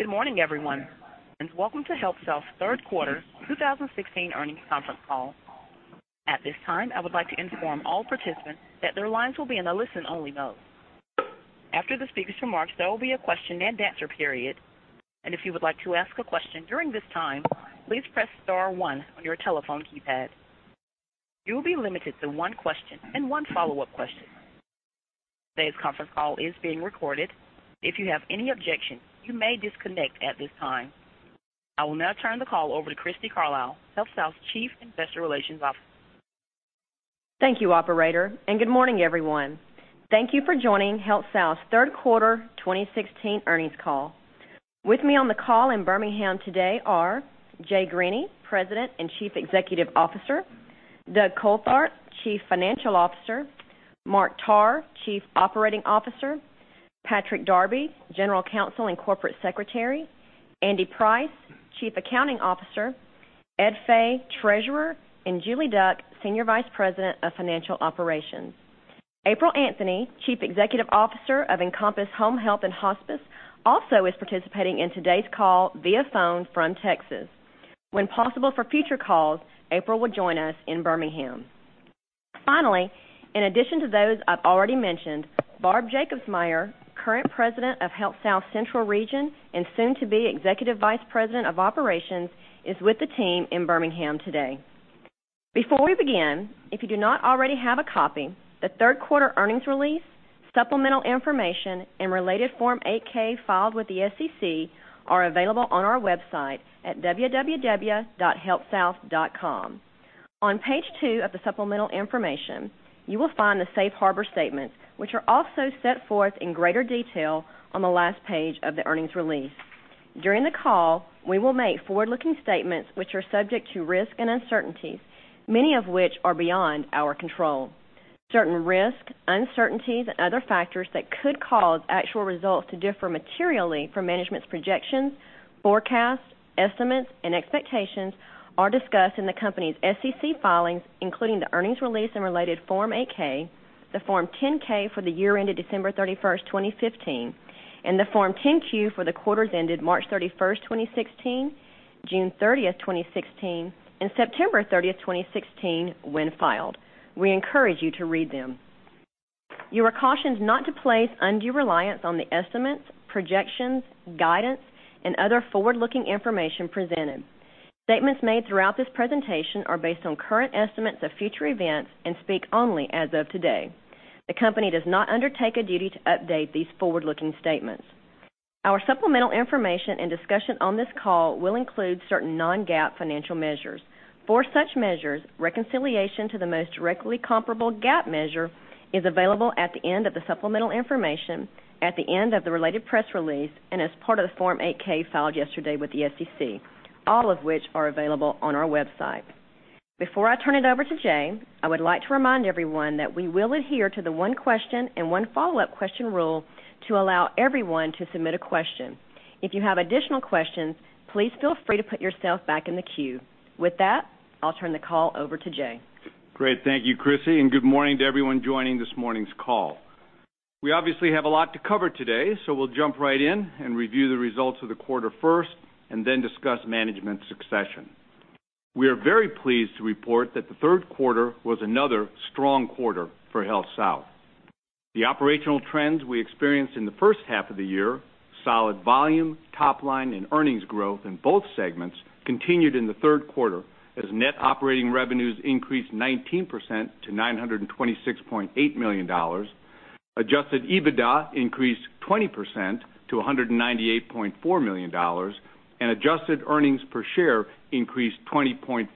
Good morning, everyone. Welcome to HealthSouth's third quarter 2016 earnings conference call. At this time, I would like to inform all participants that their lines will be in a listen-only mode. After the speaker's remarks, there will be a question-and-answer period, and if you would like to ask a question during this time, please press star one on your telephone keypad. You will be limited to one question and one follow-up question. Today's conference call is being recorded. If you have any objections, you may disconnect at this time. I will now turn the call over to Crissy Carlisle, HealthSouth's Chief Investor Relations Officer. Thank you, operator. Good morning, everyone. Thank you for joining HealthSouth's third quarter 2016 earnings call. With me on the call in Birmingham today are Jay Grinney, President and Chief Executive Officer, Doug Coltharp, Chief Financial Officer, Mark Tarr, Chief Operating Officer, Patrick Darby, General Counsel and Corporate Secretary, Andy Price, Chief Accounting Officer, Ed Fay, Treasurer, and Julie Duck, Senior Vice President of Financial Operations. April Anthony, Chief Executive Officer of Encompass Home Health and Hospice, also is participating in today's call via phone from Texas. When possible for future calls, April will join us in Birmingham. Finally, in addition to those I've already mentioned, Barb Jacobsmeyer, current President of HealthSouth Central Region and soon to be Executive Vice President of Operations, is with the team in Birmingham today. Before we begin, if you do not already have a copy, the third quarter earnings release, supplemental information, and related Form 8-K filed with the SEC are available on our website at www.healthsouth.com. On page two of the supplemental information, you will find the safe harbor statement, which are also set forth in greater detail on the last page of the earnings release. During the call, we will make forward-looking statements which are subject to risk and uncertainties, many of which are beyond our control. Certain risks, uncertainties and other factors that could cause actual results to differ materially from management's projections, forecasts, estimates, and expectations are discussed in the company's SEC filings, including the earnings release and related Form 8-K, the Form 10-K for the year ended December 31, 2015, and the Form 10-Q for the quarters ended March 31, 2016, June 30, 2016, and September 30, 2016, when filed. We encourage you to read them. You are cautioned not to place undue reliance on the estimates, projections, guidance, and other forward-looking information presented. Statements made throughout this presentation are based on current estimates of future events and speak only as of today. The company does not undertake a duty to update these forward-looking statements. Our supplemental information and discussion on this call will include certain non-GAAP financial measures. For such measures, reconciliation to the most directly comparable GAAP measure is available at the end of the supplemental information, at the end of the related press release, and as part of the Form 8-K filed yesterday with the SEC, all of which are available on our website. Before I turn it over to Jay, I would like to remind everyone that we will adhere to the one question and one follow-up question rule to allow everyone to submit a question. If you have additional questions, please feel free to put yourself back in the queue. With that, I'll turn the call over to Jay. Great. Thank you, Crissy, and good morning to everyone joining this morning's call. We obviously have a lot to cover today, so we'll jump right in and review the results of the quarter first, and then discuss management succession. We are very pleased to report that the third quarter was another strong quarter for HealthSouth. The operational trends we experienced in the first half of the year, solid volume, top line, and earnings growth in both segments continued in the third quarter as net operating revenues increased 19% to $926.8 million. Adjusted EBITDA increased 20% to $198.4 million, and adjusted earnings per share increased 20.4%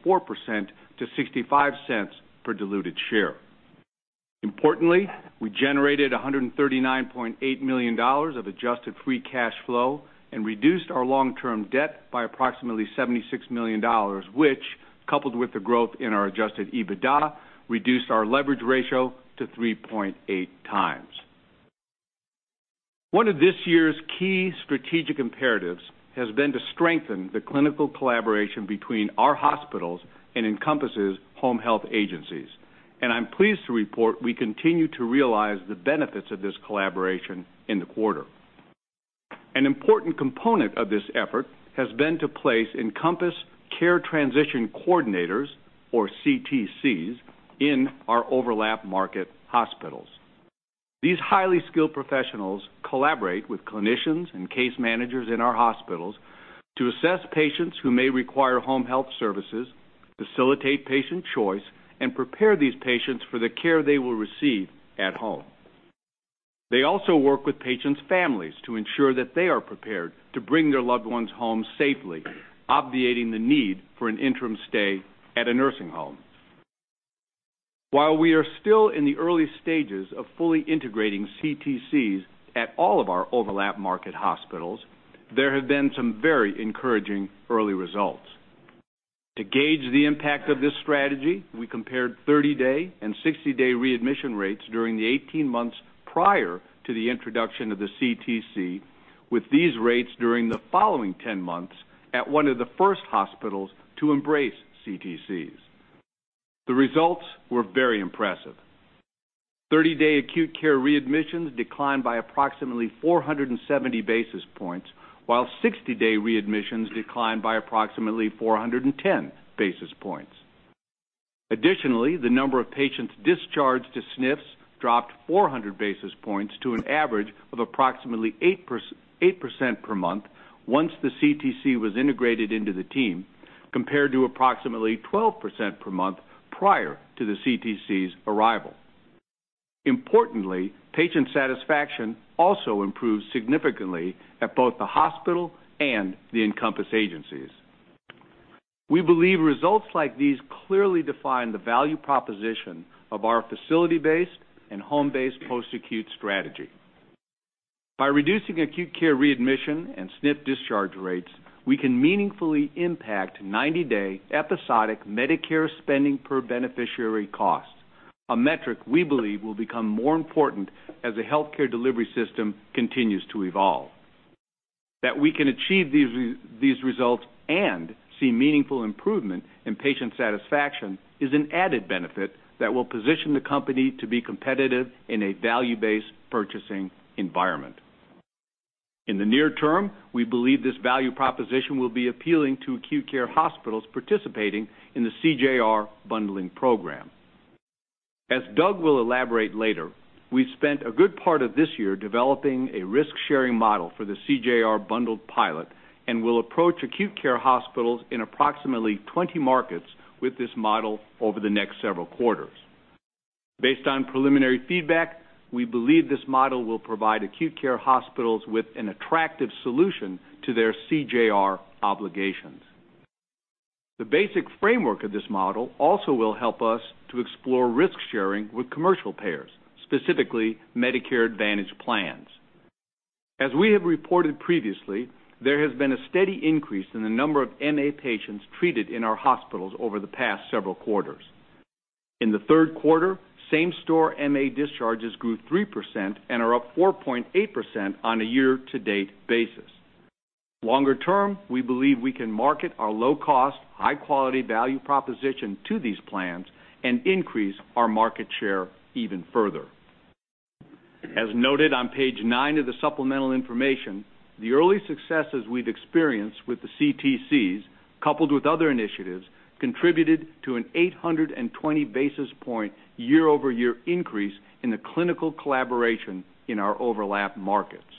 to $0.65 per diluted share. Importantly, we generated $139.8 million of adjusted free cash flow and reduced our long-term debt by approximately $76 million, which, coupled with the growth in our adjusted EBITDA, reduced our leverage ratio to 3.8 times. One of this year's key strategic imperatives has been to strengthen the clinical collaboration between our hospitals and Encompass' home health agencies, and I'm pleased to report we continue to realize the benefits of this collaboration in the quarter. An important component of this effort has been to place Encompass Care Transition Coordinators, or CTCs, in our overlap market hospitals. These highly skilled professionals collaborate with clinicians and case managers in our hospitals to assess patients who may require home health services, facilitate patient choice, and prepare these patients for the care they will receive at home. They also work with patients' families to ensure that they are prepared to bring their loved ones home safely, obviating the need for an interim stay at a nursing home. While we are still in the early stages of fully integrating CTCs at all of our overlap market hospitals, there have been some very encouraging early results. To gauge the impact of this strategy, we compared 30-day and 60-day readmission rates during the 18 months prior to the introduction of the CTC with these rates during the following 10 months at one of the first hospitals to embrace CTCs. The results were very impressive. 30-day acute care readmissions declined by approximately 470 basis points, while 60-day readmissions declined by approximately 410 basis points. Additionally, the number of patients discharged to SNFs dropped 400 basis points to an average of approximately 8% per month once the CTC was integrated into the team, compared to approximately 12% per month prior to the CTC's arrival. Importantly, patient satisfaction also improved significantly at both the hospital and the Encompass agencies. We believe results like these clearly define the value proposition of our facility-based and home-based post-acute strategy. By reducing acute care readmission and SNF discharge rates, we can meaningfully impact 90-day episodic Medicare spending per beneficiary costs, a metric we believe will become more important as the healthcare delivery system continues to evolve. That we can achieve these results and see meaningful improvement in patient satisfaction is an added benefit that will position the company to be competitive in a value-based purchasing environment. In the near term, we believe this value proposition will be appealing to acute care hospitals participating in the CJR bundling program. As Doug will elaborate later, we've spent a good part of this year developing a risk-sharing model for the CJR bundled pilot and will approach acute care hospitals in approximately 20 markets with this model over the next several quarters. Based on preliminary feedback, we believe this model will provide acute care hospitals with an attractive solution to their CJR obligations. The basic framework of this model also will help us to explore risk sharing with commercial payers, specifically Medicare Advantage plans. As we have reported previously, there has been a steady increase in the number of MA patients treated in our hospitals over the past several quarters. In the third quarter, same-store MA discharges grew 3% and are up 4.8% on a year-to-date basis. Longer term, we believe we can market our low-cost, high-quality value proposition to these plans and increase our market share even further. As noted on page nine of the supplemental information, the early successes we've experienced with the CTCs, coupled with other initiatives, contributed to an 820 basis point year-over-year increase in the clinical collaboration in our overlap markets.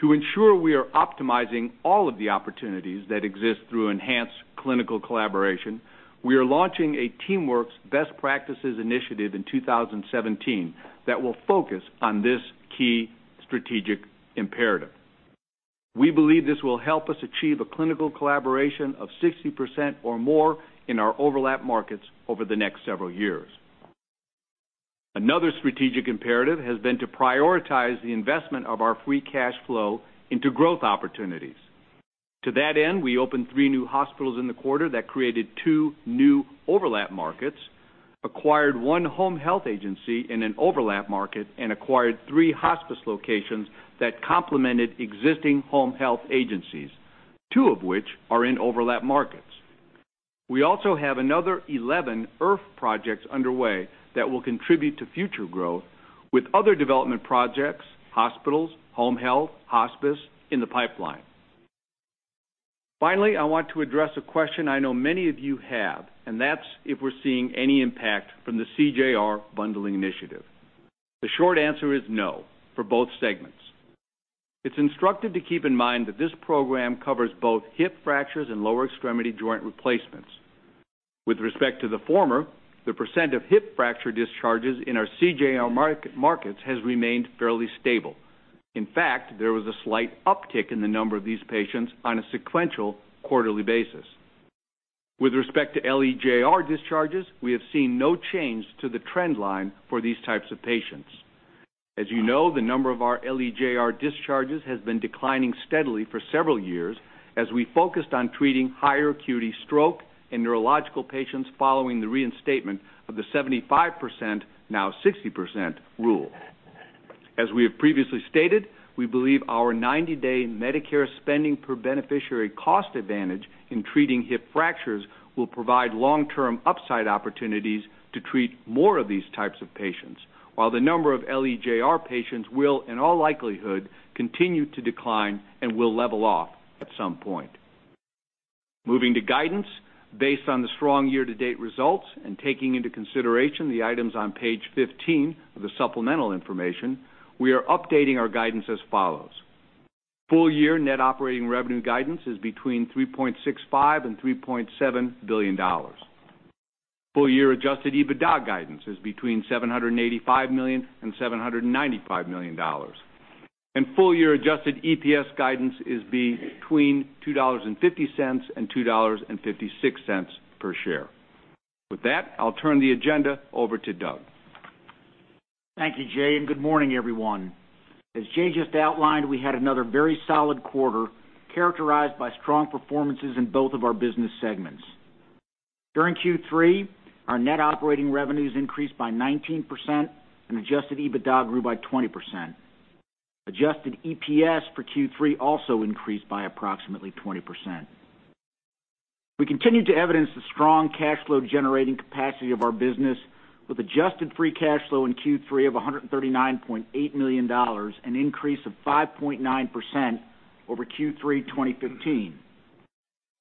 To ensure we are optimizing all of the opportunities that exist through enhanced clinical collaboration, we are launching a TeamWorks best practices initiative in 2017 that will focus on this key strategic imperative. We believe this will help us achieve a clinical collaboration of 60% or more in our overlap markets over the next several years. Another strategic imperative has been to prioritize the investment of our free cash flow into growth opportunities. To that end, we opened three new hospitals in the quarter that created two new overlap markets, acquired one home health agency in an overlap market, and acquired three hospice locations that complemented existing home health agencies, two of which are in overlap markets. We also have another 11 IRF projects underway that will contribute to future growth with other development projects, hospitals, home health, hospice in the pipeline. I want to address a question I know many of you have, and that's if we're seeing any impact from the CJR bundling initiative. The short answer is no, for both segments. It's instructive to keep in mind that this program covers both hip fractures and lower extremity joint replacements. With respect to the former, the percent of hip fracture discharges in our CJR markets has remained fairly stable. In fact, there was a slight uptick in the number of these patients on a sequential quarterly basis. With respect to LEJR discharges, we have seen no change to the trend line for these types of patients. As you know, the number of our LEJR discharges has been declining steadily for several years as we focused on treating higher acuity stroke in neurological patients following the reinstatement of the 75%, now 60% rule. As we have previously stated, we believe our 90-day Medicare spending per beneficiary cost advantage in treating hip fractures will provide long-term upside opportunities to treat more of these types of patients, while the number of LEJR patients will, in all likelihood, continue to decline and will level off at some point. Moving to guidance. Based on the strong year-to-date results and taking into consideration the items on page 15 of the supplemental information, we are updating our guidance as follows. Full year net operating revenue guidance is between $3.65 billion and $3.7 billion. Full year adjusted EBITDA guidance is between $785 million and $795 million. Full year adjusted EPS guidance is between $2.50 and $2.56 per share. With that, I'll turn the agenda over to Doug. Thank you, Jay, and good morning, everyone. As Jay just outlined, we had another very solid quarter characterized by strong performances in both of our business segments. During Q3, our net operating revenues increased by 19%, and adjusted EBITDA grew by 20%. Adjusted EPS for Q3 also increased by approximately 20%. We continue to evidence the strong cash flow-generating capacity of our business, with adjusted free cash flow in Q3 of $139.8 million, an increase of 5.9% over Q3 2015.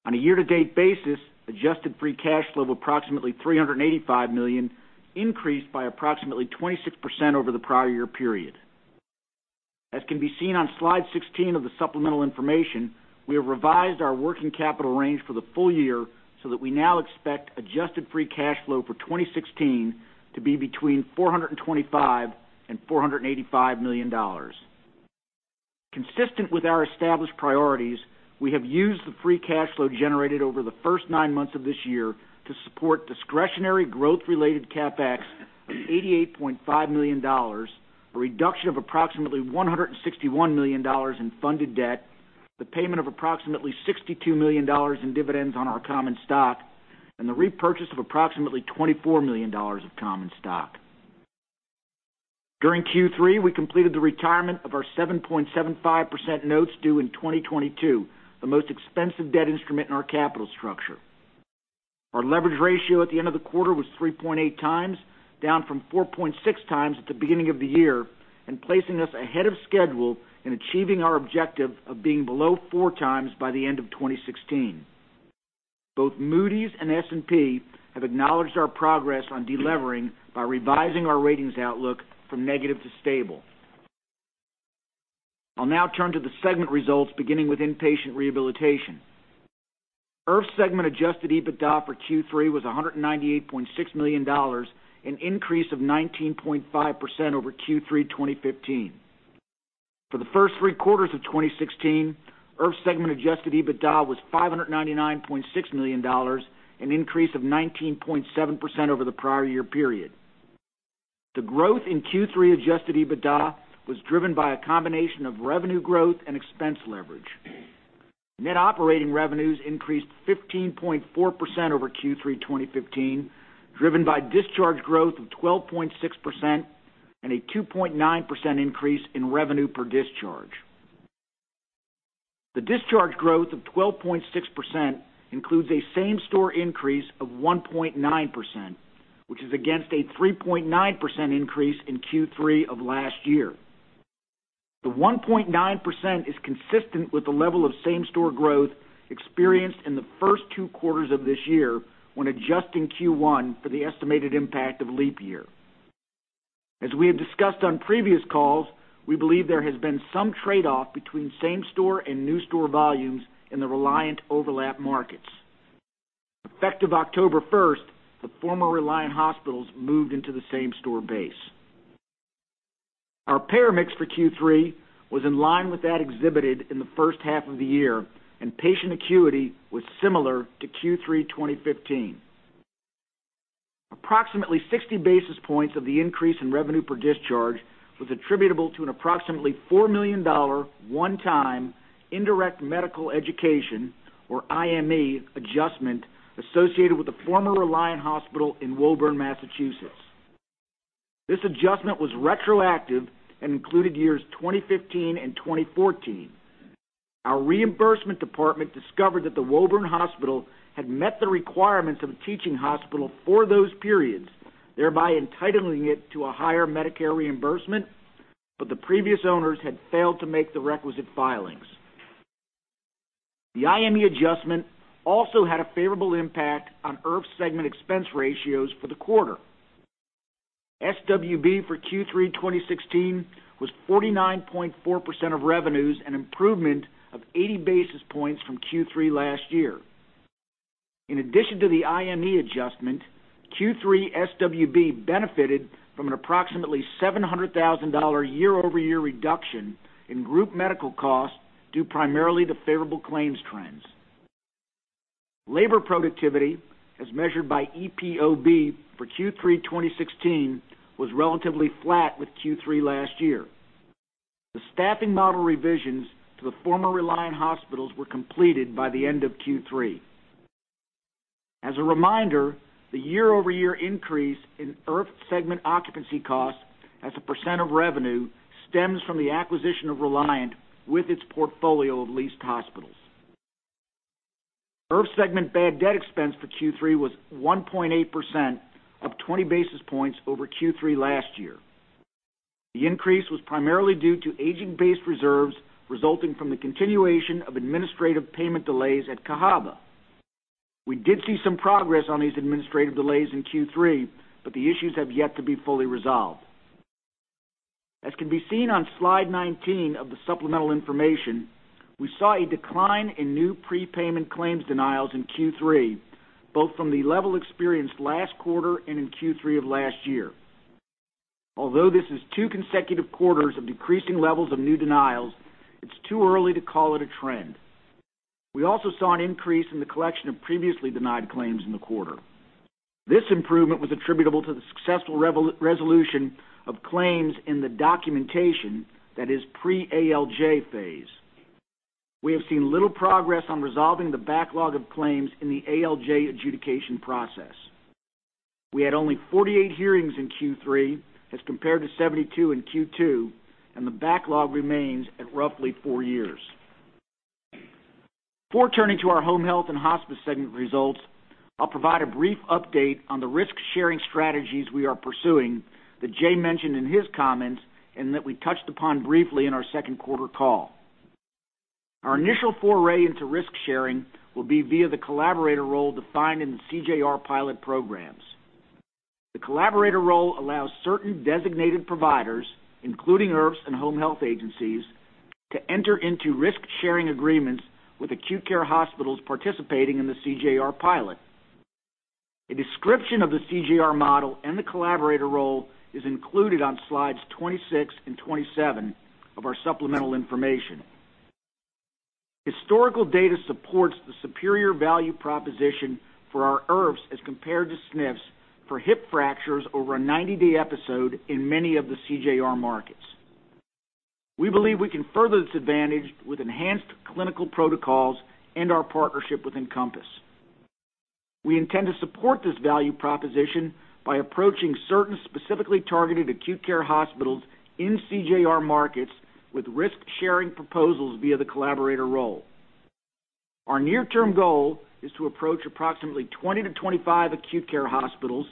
On a year-to-date basis, adjusted free cash flow of approximately $385 million increased by approximately 26% over the prior year period. As can be seen on slide 16 of the supplemental information, we have revised our working capital range for the full year so that we now expect adjusted free cash flow for 2016 to be between $425 million and $485 million. Consistent with our established priorities, we have used the free cash flow generated over the first nine months of this year to support discretionary growth-related CapEx of $88.5 million, a reduction of approximately $161 million in funded debt, the payment of approximately $62 million in dividends on our common stock, and the repurchase of approximately $24 million of common stock. During Q3, we completed the retirement of our 7.75% notes due in 2022, the most expensive debt instrument in our capital structure. Our leverage ratio at the end of the quarter was 3.8 times, down from 4.6 times at the beginning of the year and placing us ahead of schedule in achieving our objective of being below four times by the end of 2016. Both Moody's and S&P have acknowledged our progress on de-levering by revising our ratings outlook from negative to stable. I'll now turn to the segment results, beginning with inpatient rehabilitation. IRF segment adjusted EBITDA for Q3 was $198.6 million, an increase of 19.5% over Q3 2015. For the first three quarters of 2016, IRF segment adjusted EBITDA was $599.6 million, an increase of 19.7% over the prior year period. The growth in Q3 adjusted EBITDA was driven by a combination of revenue growth and expense leverage. Net operating revenues increased 15.4% over Q3 2015, driven by discharge growth of 12.6% and a 2.9% increase in revenue per discharge. The discharge growth of 12.6% includes a same-store increase of 1.9%, which is against a 3.9% increase in Q3 of last year. The 1.9% is consistent with the level of same-store growth experienced in the first two quarters of this year when adjusting Q1 for the estimated impact of leap year. As we have discussed on previous calls, we believe there has been some trade-off between same-store and new-store volumes in the Reliant overlap markets. Effective October 1st, the former Reliant hospitals moved into the same-store base. Our payer mix for Q3 was in line with that exhibited in the first half of the year, and patient acuity was similar to Q3 2015. Approximately 60 basis points of the increase in revenue per discharge was attributable to an approximately $4 million, one-time indirect medical education, or IME adjustment, associated with the former Reliant hospital in Woburn, Massachusetts. This adjustment was retroactive and included years 2015 and 2014. Our reimbursement department discovered that the Woburn hospital had met the requirements of a teaching hospital for those periods, thereby entitling it to a higher Medicare reimbursement, but the previous owners had failed to make the requisite filings. The IME adjustment also had a favorable impact on IRF segment expense ratios for the quarter. SWB for Q3 2016 was 49.4% of revenues, an improvement of 80 basis points from Q3 last year. In addition to the IME adjustment, Q3 SWB benefited from an approximately $700,000 year-over-year reduction in group medical costs due primarily to favorable claims trends. Labor productivity, as measured by EPOB for Q3 2016, was relatively flat with Q3 last year. The staffing model revisions to the former Reliant hospitals were completed by the end of Q3. As a reminder, the year-over-year increase in IRF segment occupancy costs as a percent of revenue stems from the acquisition of Reliant with its portfolio of leased hospitals. IRF segment bad debt expense for Q3 was 1.8%, up 20 basis points over Q3 last year. The increase was primarily due to aging-based reserves resulting from the continuation of administrative payment delays at Cahaba. We did see some progress on these administrative delays in Q3, but the issues have yet to be fully resolved. As can be seen on slide 19 of the supplemental information, we saw a decline in new prepayment claims denials in Q3, both from the level experienced last quarter and in Q3 of last year. Although this is two consecutive quarters of decreasing levels of new denials, it's too early to call it a trend. We also saw an increase in the collection of previously denied claims in the quarter. This improvement was attributable to the successful resolution of claims in the documentation that is pre-ALJ phase. We have seen little progress on resolving the backlog of claims in the ALJ adjudication process. We had only 48 hearings in Q3 as compared to 72 in Q2, and the backlog remains at roughly four years. Before turning to our home health and hospice segment results, I'll provide a brief update on the risk-sharing strategies we are pursuing that Jay mentioned in his comments, and that we touched upon briefly in our second quarter call. Our initial foray into risk-sharing will be via the collaborator role defined in the CJR pilot programs. The collaborator role allows certain designated providers, including IRFs and home health agencies, to enter into risk-sharing agreements with acute care hospitals participating in the CJR pilot. A description of the CJR model and the collaborator role is included on slides 26 and 27 of our supplemental information. Historical data supports the superior value proposition for our IRFs as compared to SNFs for hip fractures over a 90-day episode in many of the CJR markets. We believe we can further this advantage with enhanced clinical protocols and our partnership with Encompass. We intend to support this value proposition by approaching certain specifically targeted acute care hospitals in CJR markets with risk-sharing proposals via the collaborator role. Our near-term goal is to approach approximately 20-25 acute care hospitals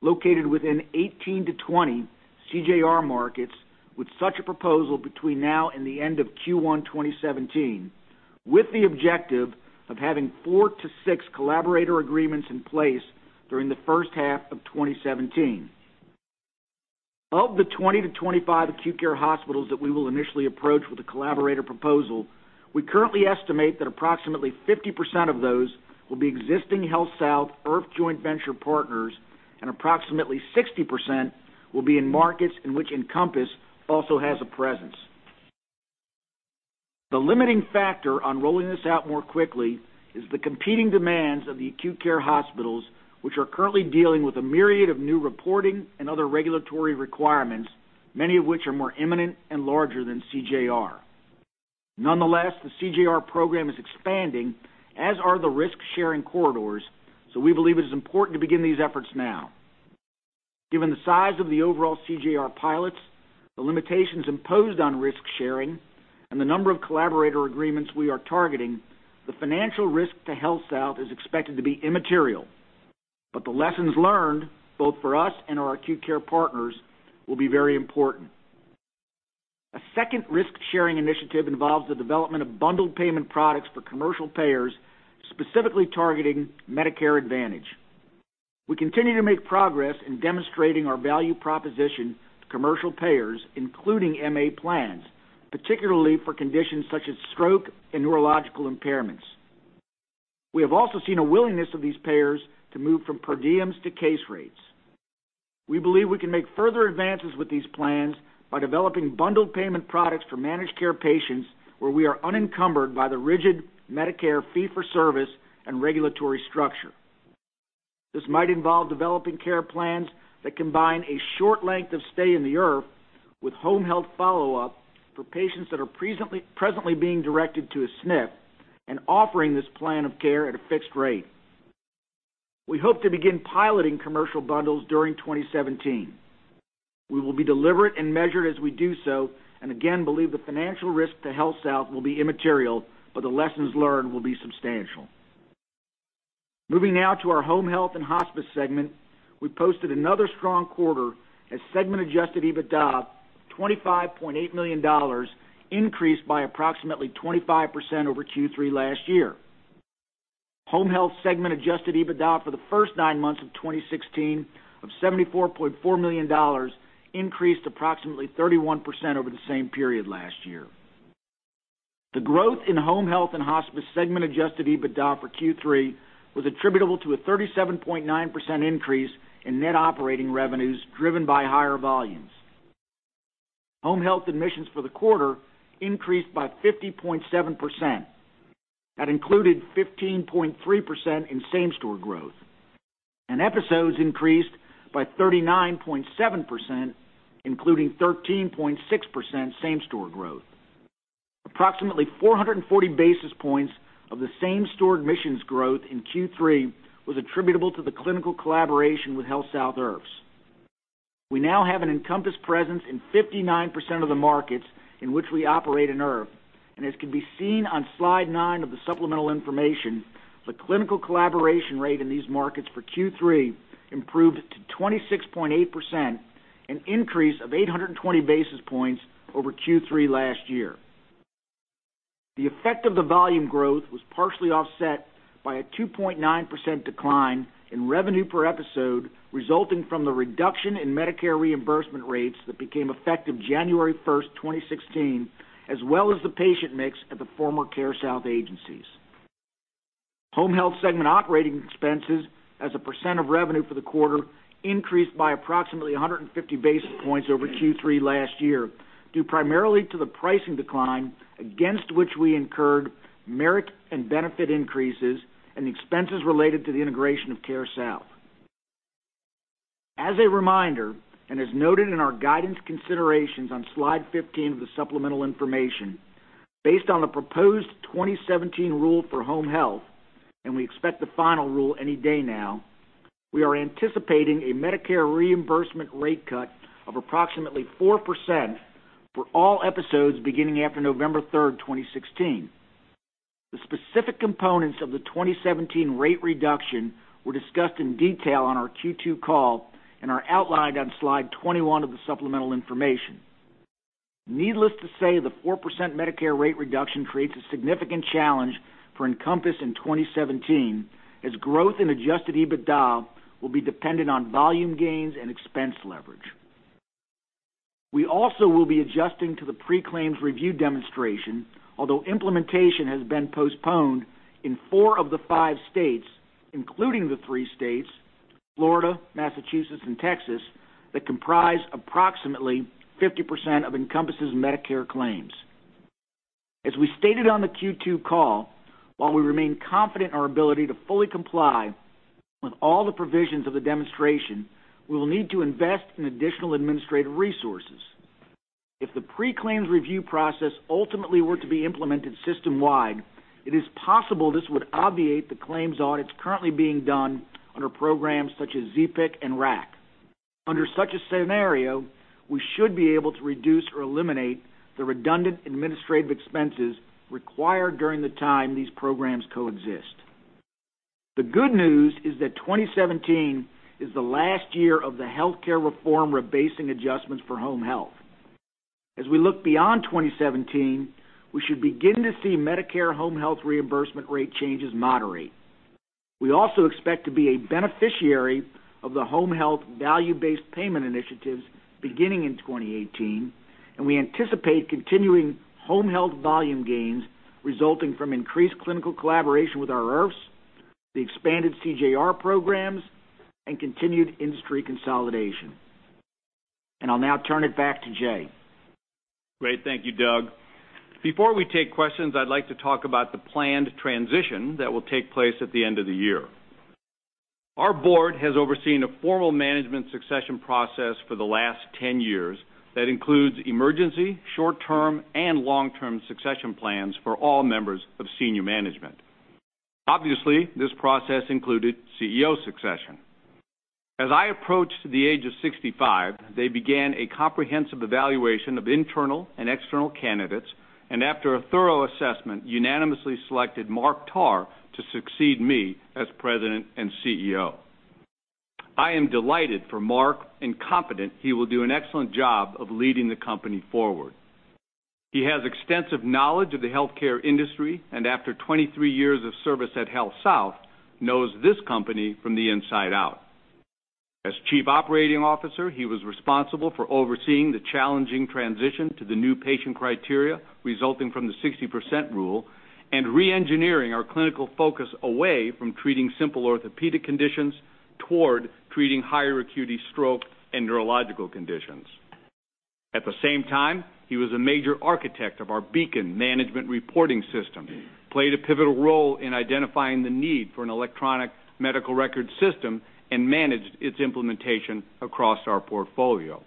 located within 18-20 CJR markets with such a proposal between now and the end of Q1 2017, with the objective of having four to six collaborator agreements in place during the first half of 2017. Of the 20-25 acute care hospitals that we will initially approach with a collaborator proposal, we currently estimate that approximately 50% of those will be existing HealthSouth IRF joint venture partners, and approximately 60% will be in markets in which Encompass also has a presence. The limiting factor on rolling this out more quickly is the competing demands of the acute care hospitals, which are currently dealing with a myriad of new reporting and other regulatory requirements, many of which are more imminent and larger than CJR. The CJR program is expanding as are the risk-sharing corridors, we believe it is important to begin these efforts now. Given the size of the overall CJR pilots, the limitations imposed on risk-sharing, and the number of collaborator agreements we are targeting, the financial risk to HealthSouth is expected to be immaterial. The lessons learned, both for us and our acute care partners, will be very important. A second risk-sharing initiative involves the development of bundled payment products for commercial payers, specifically targeting Medicare Advantage. We continue to make progress in demonstrating our value proposition to commercial payers, including MA plans, particularly for conditions such as stroke and neurological impairments. We have also seen a willingness of these payers to move from per diems to case rates. We believe we can make further advances with these plans by developing bundled payment products for managed care patients where we are unencumbered by the rigid Medicare fee-for-service and regulatory structure. This might involve developing care plans that combine a short length of stay in the IRF with home health follow-up for patients that are presently being directed to a SNF and offering this plan of care at a fixed rate. We hope to begin piloting commercial bundles during 2017. We will be deliberate and measured as we do so, and again, believe the financial risk to HealthSouth will be immaterial, the lessons learned will be substantial. Moving now to our Home Health and Hospice segment. We posted another strong quarter as segment adjusted EBITDA of $25.8 million, increased by approximately 25% over Q3 last year. Home Health segment adjusted EBITDA for the first nine months of 2016 of $74.4 million, increased approximately 31% over the same period last year. The growth in Home Health and Hospice segment adjusted EBITDA for Q3 was attributable to a 37.9% increase in net operating revenues driven by higher volumes. Home health admissions for the quarter increased by 50.7%. That included 15.3% in same-store growth, and episodes increased by 39.7%, including 13.6% same-store growth. Approximately 440 basis points of the same-store admissions growth in Q3 was attributable to the clinical collaboration with HealthSouth IRFs. We now have an Encompass presence in 59% of the markets in which we operate an IRF, and as can be seen on slide nine of the supplemental information, the clinical collaboration rate in these markets for Q3 improved to 26.8%, an increase of 820 basis points over Q3 last year. The effect of the volume growth was partially offset by a 2.9% decline in revenue per episode, resulting from the reduction in Medicare reimbursement rates that became effective January 1st, 2016, as well as the patient mix at the former CareSouth agencies. Home Health segment operating expenses as a percent of revenue for the quarter increased by approximately 150 basis points over Q3 last year, due primarily to the pricing decline against which we incurred merit and benefit increases and expenses related to the integration of CareSouth. As a reminder, and as noted in our guidance considerations on slide 15 of the supplemental information Based on the proposed 2017 rule for Home Health, and we expect the final rule any day now, we are anticipating a Medicare reimbursement rate cut of approximately 4% for all episodes beginning after November 3rd, 2016. The specific components of the 2017 rate reduction were discussed in detail on our Q2 call and are outlined on slide 21 of the supplemental information. Needless to say, the 4% Medicare rate reduction creates a significant challenge for Encompass in 2017, as growth in adjusted EBITDA will be dependent on volume gains and expense leverage. We also will be adjusting to the pre-claims review demonstration, although implementation has been postponed in four of the five states, including the three states, Florida, Massachusetts, and Texas, that comprise approximately 50% of Encompass' Medicare claims. As we stated on the Q2 call, while we remain confident in our ability to fully comply with all the provisions of the demonstration, we will need to invest in additional administrative resources. If the pre-claims review process ultimately were to be implemented system-wide, it is possible this would obviate the claims audits currently being done under programs such as ZPIC and RAC. Under such a scenario, we should be able to reduce or eliminate the redundant administrative expenses required during the time these programs coexist. The good news is that 2017 is the last year of the healthcare reform rebasing adjustments for Home Health. As we look beyond 2017, we should begin to see Medicare Home Health reimbursement rate changes moderate. We also expect to be a beneficiary of the Home Health value-based payment initiatives beginning in 2018, and we anticipate continuing Home Health volume gains resulting from increased clinical collaboration with our IRFs, the expanded CJR programs, and continued industry consolidation. I'll now turn it back to Jay. Great. Thank you, Doug. Before we take questions, I'd like to talk about the planned transition that will take place at the end of the year. Our board has overseen a formal management succession process for the last 10 years that includes emergency, short-term, and long-term succession plans for all members of senior management. Obviously, this process included CEO succession. As I approached the age of 65, they began a comprehensive evaluation of internal and external candidates, and after a thorough assessment, unanimously selected Mark Tarr to succeed me as President and CEO. I am delighted for Mark and confident he will do an excellent job of leading the company forward. He has extensive knowledge of the healthcare industry, and after 23 years of service at HealthSouth, knows this company from the inside out. As Chief Operating Officer, he was responsible for overseeing the challenging transition to the new patient criteria resulting from the 60% rule and re-engineering our clinical focus away from treating simple orthopedic conditions toward treating higher acuity stroke and neurological conditions. At the same time, he was a major architect of our BEACON Management Reporting system, played a pivotal role in identifying the need for an electronic medical record system, and managed its implementation across our portfolio.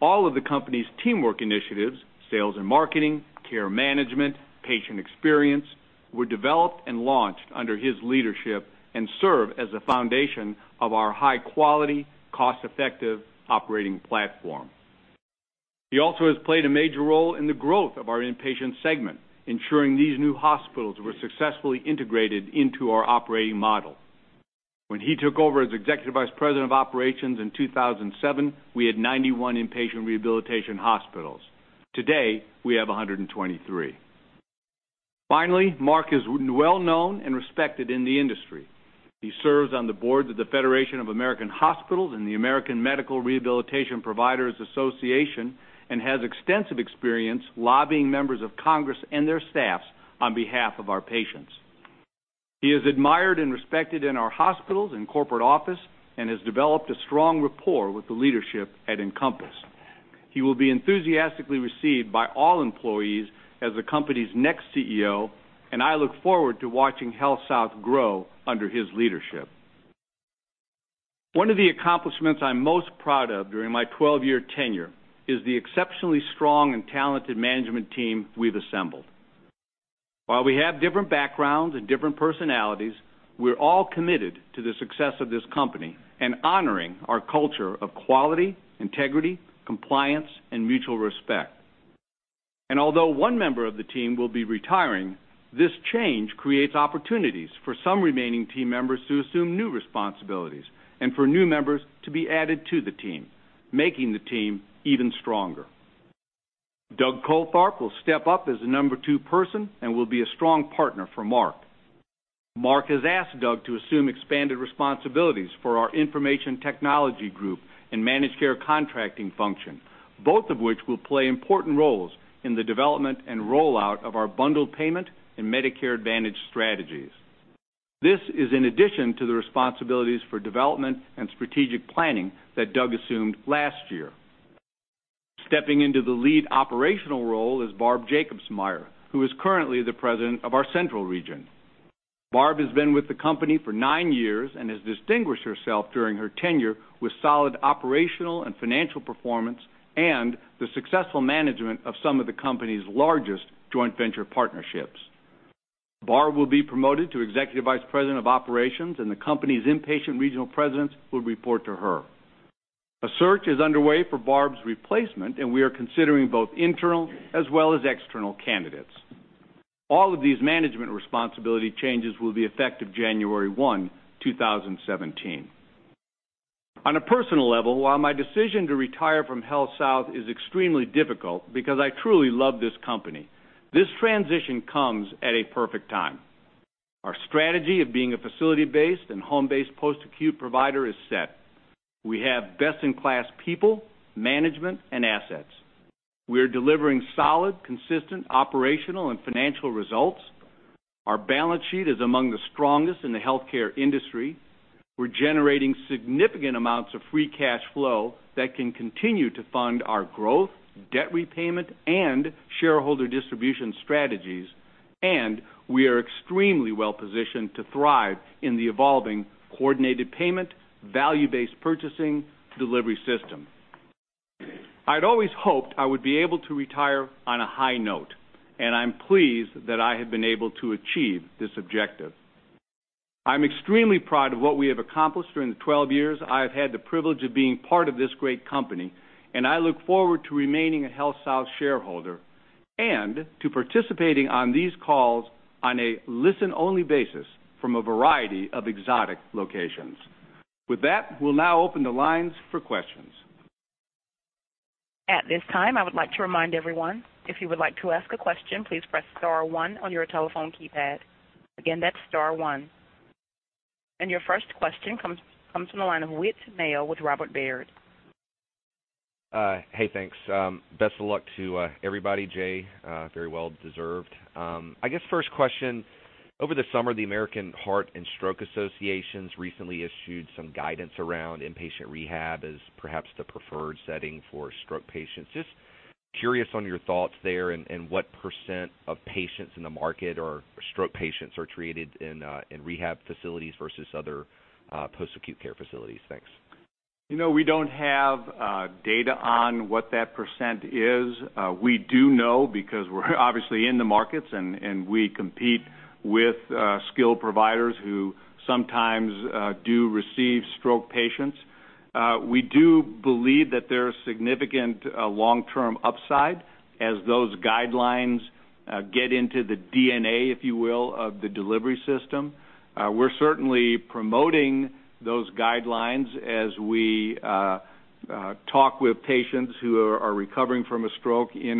All of the company's TeamWorks initiatives, sales and marketing, care management, patient experience, were developed and launched under his leadership and serve as the foundation of our high-quality, cost-effective operating platform. He also has played a major role in the growth of our inpatient segment, ensuring these new hospitals were successfully integrated into our operating model. When he took over as Executive Vice President of Operations in 2007, we had 91 inpatient rehabilitation hospitals. Today, we have 123. Mark is well known and respected in the industry. He serves on the boards of the Federation of American Hospitals and the American Medical Rehabilitation Providers Association and has extensive experience lobbying members of Congress and their staffs on behalf of our patients. He is admired and respected in our hospitals and corporate office and has developed a strong rapport with the leadership at Encompass. He will be enthusiastically received by all employees as the company's next CEO, and I look forward to watching HealthSouth grow under his leadership. One of the accomplishments I'm most proud of during my 12-year tenure is the exceptionally strong and talented management team we've assembled. While we have different backgrounds and different personalities, we're all committed to the success of this company and honoring our culture of quality, integrity, compliance, and mutual respect. Although one member of the team will be retiring, this change creates opportunities for some remaining team members to assume new responsibilities and for new members to be added to the team, making the team even stronger. Doug Coltharp will step up as the number 2 person and will be a strong partner for Mark. Mark has asked Doug to assume expanded responsibilities for our information technology group and managed care contracting function, both of which will play important roles in the development and rollout of our bundled payment and Medicare Advantage strategies. This is in addition to the responsibilities for development and strategic planning that Doug assumed last year. Stepping into the lead operational role is Barb Jacobsmeyer, who is currently the President of our Central Region. Barb has been with the company for nine years and has distinguished herself during her tenure with solid operational and financial performance and the successful management of some of the company's largest joint venture partnerships. Barb will be promoted to Executive Vice President of Operations, and the company's inpatient regional presidents will report to her. A search is underway for Barb's replacement, and we are considering both internal as well as external candidates. All of these management responsibility changes will be effective January 1, 2017. On a personal level, while my decision to retire from HealthSouth is extremely difficult because I truly love this company, this transition comes at a perfect time. Our strategy of being a facility-based and home-based post-acute provider is set. We have best-in-class people, management, and assets. We are delivering solid, consistent operational and financial results. Our balance sheet is among the strongest in the healthcare industry. We're generating significant amounts of free cash flow that can continue to fund our growth, debt repayment, and shareholder distribution strategies, and we are extremely well-positioned to thrive in the evolving coordinated payment, value-based purchasing delivery system. I'd always hoped I would be able to retire on a high note, and I'm pleased that I have been able to achieve this objective. I'm extremely proud of what we have accomplished during the 12 years I have had the privilege of being part of this great company, and I look forward to remaining a HealthSouth shareholder and to participating on these calls on a listen-only basis from a variety of exotic locations. With that, we'll now open the lines for questions. At this time, I would like to remind everyone, if you would like to ask a question, please press star one on your telephone keypad. Again, that's star one. Your first question comes from the line of Whit Mayo with Robert Baird. Hey, thanks. Best of luck to everybody, Jay. Very well deserved. I guess first question, over the summer, the American Heart and Stroke Associations recently issued some guidance around inpatient rehab as perhaps the preferred setting for stroke patients. Just curious on your thoughts there and what % of patients in the market or stroke patients are treated in rehab facilities versus other post-acute care facilities. Thanks. We don't have data on what that % is. We do know because we're obviously in the markets, and we compete with skilled providers who sometimes do receive stroke patients. We do believe that there is significant long-term upside as those guidelines get into the DNA, if you will, of the delivery system. We're certainly promoting those guidelines as we talk with patients who are recovering from a stroke in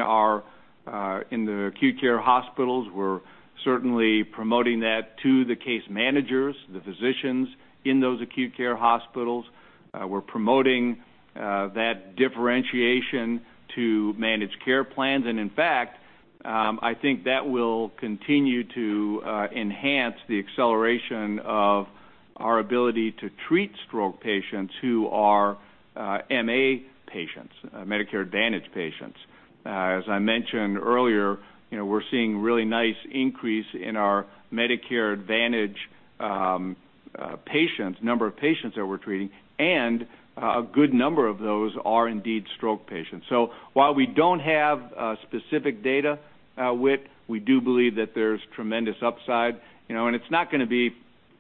the acute care hospitals. We're certainly promoting that to the case managers, the physicians in those acute care hospitals. We're promoting that differentiation to managed care plans, and in fact, I think that will continue to enhance the acceleration of our ability to treat stroke patients who are MA patients, Medicare Advantage patients. I mentioned earlier, we're seeing really nice increase in our Medicare Advantage number of patients that we're treating, and a good number of those are indeed stroke patients. While we don't have specific data, Whit, we do believe that there's tremendous upside. It's not going to be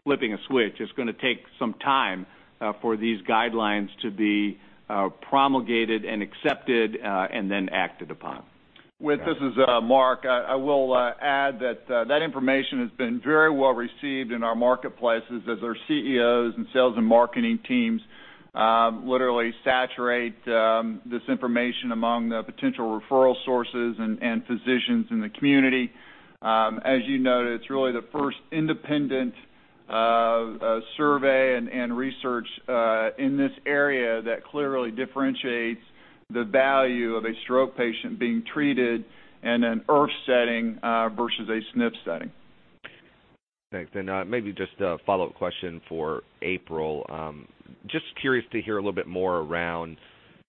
flipping a switch. It's going to take some time for these guidelines to be promulgated and accepted and then acted upon. Whit, this is Mark. I will add that that information has been very well received in our marketplaces as our CEOs and sales and marketing teams literally saturate this information among the potential referral sources and physicians in the community. You noted, it's really the first independent survey and research in this area that clearly differentiates the value of a stroke patient being treated in an IRF setting versus a SNF setting. Thanks. Maybe just a follow-up question for April. Just curious to hear a little bit more around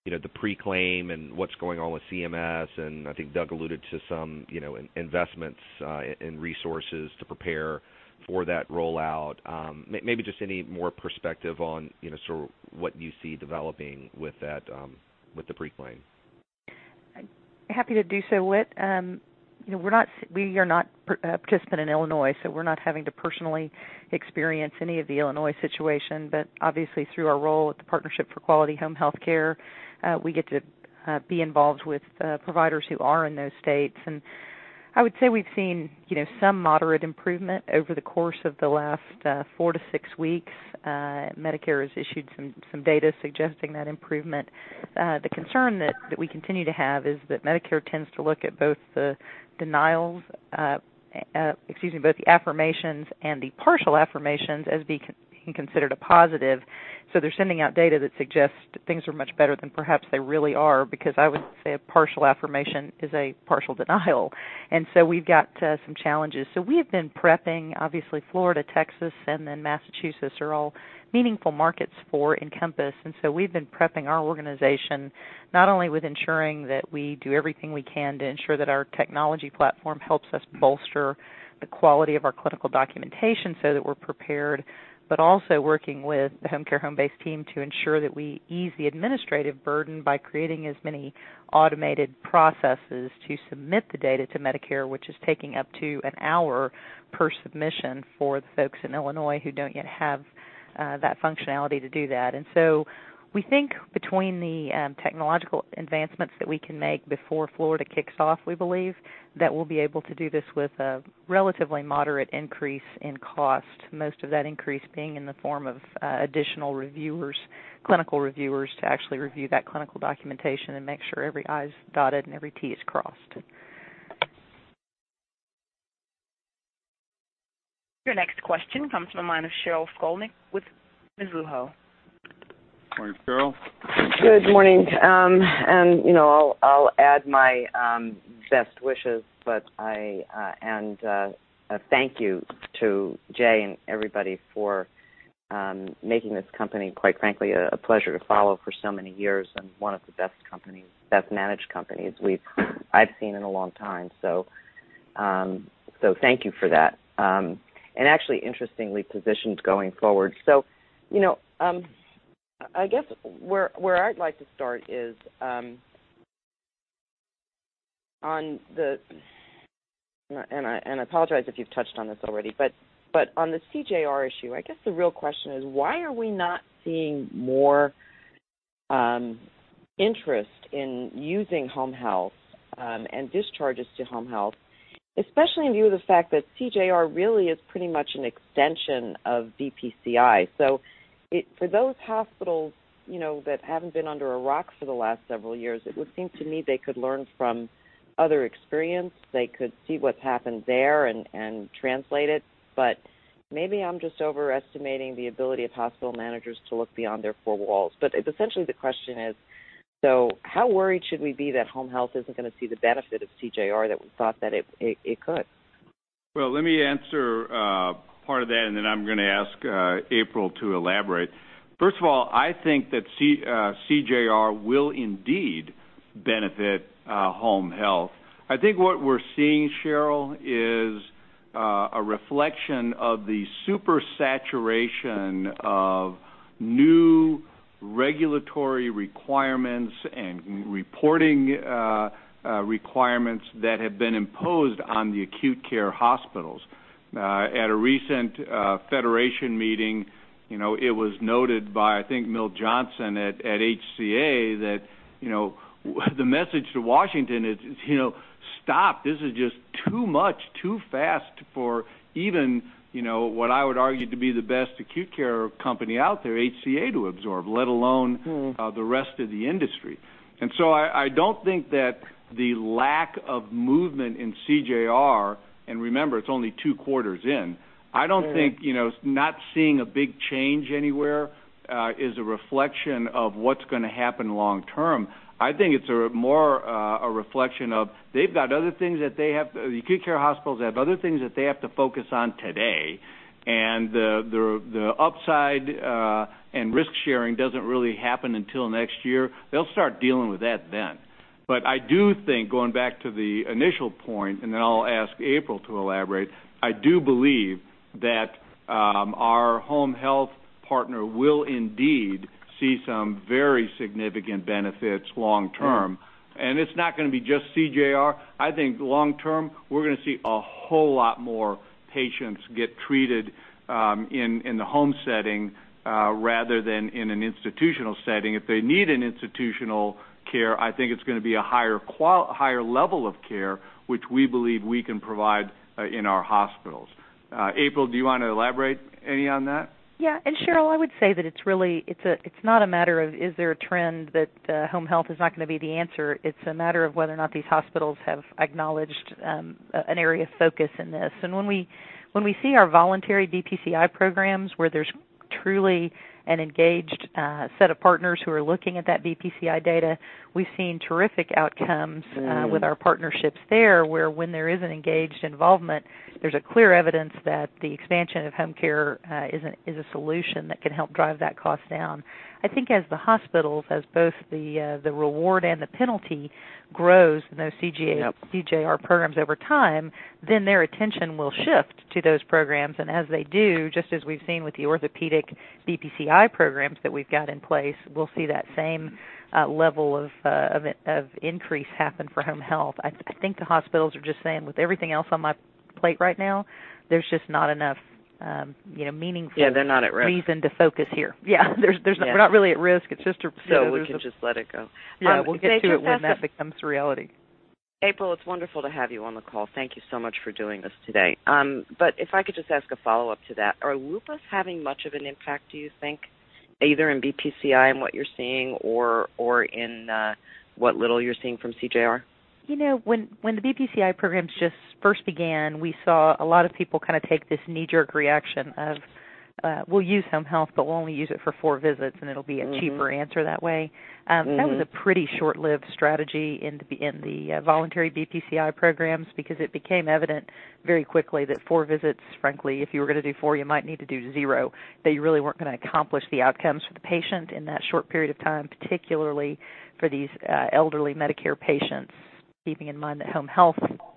the pre-claim and what's going on with CMS, and I think Doug alluded to some investments in resources to prepare for that rollout. Maybe just any more perspective on what you see developing with the pre-claim. Happy to do so, Whit. We are not a participant in Illinois, so we're not having to personally experience any of the Illinois situation. Obviously, through our role with the Partnership for Quality Home Healthcare, we get to be involved with providers who are in those states. I would say we've seen some moderate improvement over the course of the last four to six weeks. Medicare has issued some data suggesting that improvement. The concern that we continue to have is that Medicare tends to look at both the denials, excuse me, both the affirmations and the partial affirmations as being considered a positive. They're sending out data that suggests things are much better than perhaps they really are, because I would say a partial affirmation is a partial denial. We've got some challenges. We have been prepping, obviously, Florida, Texas, and then Massachusetts are all meaningful markets for Encompass. We've been prepping our organization not only with ensuring that we do everything we can to ensure that our technology platform helps us bolster the quality of our clinical documentation so that we're prepared, but also working with the Homecare Homebase team to ensure that we ease the administrative burden by creating as many automated processes to submit the data to Medicare, which is taking up to an hour per submission for the folks in Illinois who don't yet have that functionality to do that. We think between the technological advancements that we can make before Florida kicks off, we believe, that we'll be able to do this with a relatively moderate increase in cost, most of that increase being in the form of additional clinical reviewers to actually review that clinical documentation and make sure every I is dotted and every T is crossed. Your next question comes from the line of Sheryl Skolnick with Mizuho. Morning, Sheryl. Good morning. I'll add my best wishes, and a thank you to Jay and everybody for making this company, quite frankly, a pleasure to follow for so many years and one of the best-managed companies I've seen in a long time. Thank you for that. Actually, interestingly positioned going forward. I guess where I'd like to start is on the, and I apologize if you've touched on this already, but on the CJR issue, I guess the real question is why are we not seeing more interest in using home health and discharges to home health, especially in view of the fact that CJR really is pretty much an extension of BPCI? For those hospitals that haven't been under a rock for the last several years, it would seem to me they could learn from other experience. They could see what's happened there and translate it. Maybe I'm just overestimating the ability of hospital managers to look beyond their four walls. Essentially the question is, how worried should we be that home health isn't going to see the benefit of CJR that we thought that it could? Well, let me answer part of that, and then I'm going to ask April to elaborate. First of all, I think that CJR will indeed benefit home health. I think what we're seeing, Sheryl, is a reflection of the super saturation of new regulatory requirements and reporting requirements that have been imposed on the acute care hospitals. At a recent federation meeting, it was noted by, I think, Milt Johnson at HCA that the message to Washington is, "Stop. This is just too much, too fast for even," what I would argue to be the best acute care company out there, HCA, to absorb, let alone the rest of the industry. I don't think that the lack of movement in CJR, and remember, it's only two quarters in, I don't think not seeing a big change anywhere is a reflection of what's going to happen long term. I think it's more a reflection of the acute care hospitals have other things that they have to focus on today, the upside and risk-sharing doesn't really happen until next year. They'll start dealing with that then. I do think, going back to the initial point, then I'll ask April to elaborate, I do believe that our home health partner will indeed see some very significant benefits long term. It's not going to be just CJR. I think long term, we're going to see a whole lot more patients get treated in the home setting rather than in an institutional setting. If they need an institutional care, I think it's going to be a higher level of care, which we believe we can provide in our hospitals. April, do you want to elaborate any on that? Yeah. Sheryl, I would say that it's not a matter of is there a trend that home health is not going to be the answer. It's a matter of whether or not these hospitals have acknowledged an area of focus in this. When we see our voluntary BPCI programs, where there's truly an engaged set of partners who are looking at that BPCI data, we've seen terrific outcomes with our partnerships there, where when there is an engaged involvement, there's a clear evidence that the expansion of home care is a solution that can help drive that cost down. I think as the hospitals, as both the reward and the penalty grows in those CJR programs over time, their attention will shift to those programs. As they do, just as we've seen with the orthopedic BPCI programs that we've got in place, we'll see that same level of increase happen for home health. I think the hospitals are just saying, with everything else on my plate right now, there's just not enough- Yeah, they're not at risk meaningful reason to focus here. We're not really at risk. We can just let it go. We'll get to it when that becomes reality. April, it's wonderful to have you on the call. Thank you so much for doing this today. If I could just ask a follow-up to that. Are LUPAs having much of an impact, do you think, either in BPCI in what you're seeing or in what little you're seeing from CJR? The BPCI programs just first began, we saw a lot of people kind of take this knee-jerk reaction of we'll use home health, but we'll only use it for four visits, and it'll be a cheaper answer that way. That was a pretty short-lived strategy in the voluntary BPCI programs because it became evident very quickly that four visits, frankly, if you were going to do four, you might need to do zero. You really weren't going to accomplish the outcomes for the patient in that short period of time, particularly for these elderly Medicare patients, keeping in mind that home health,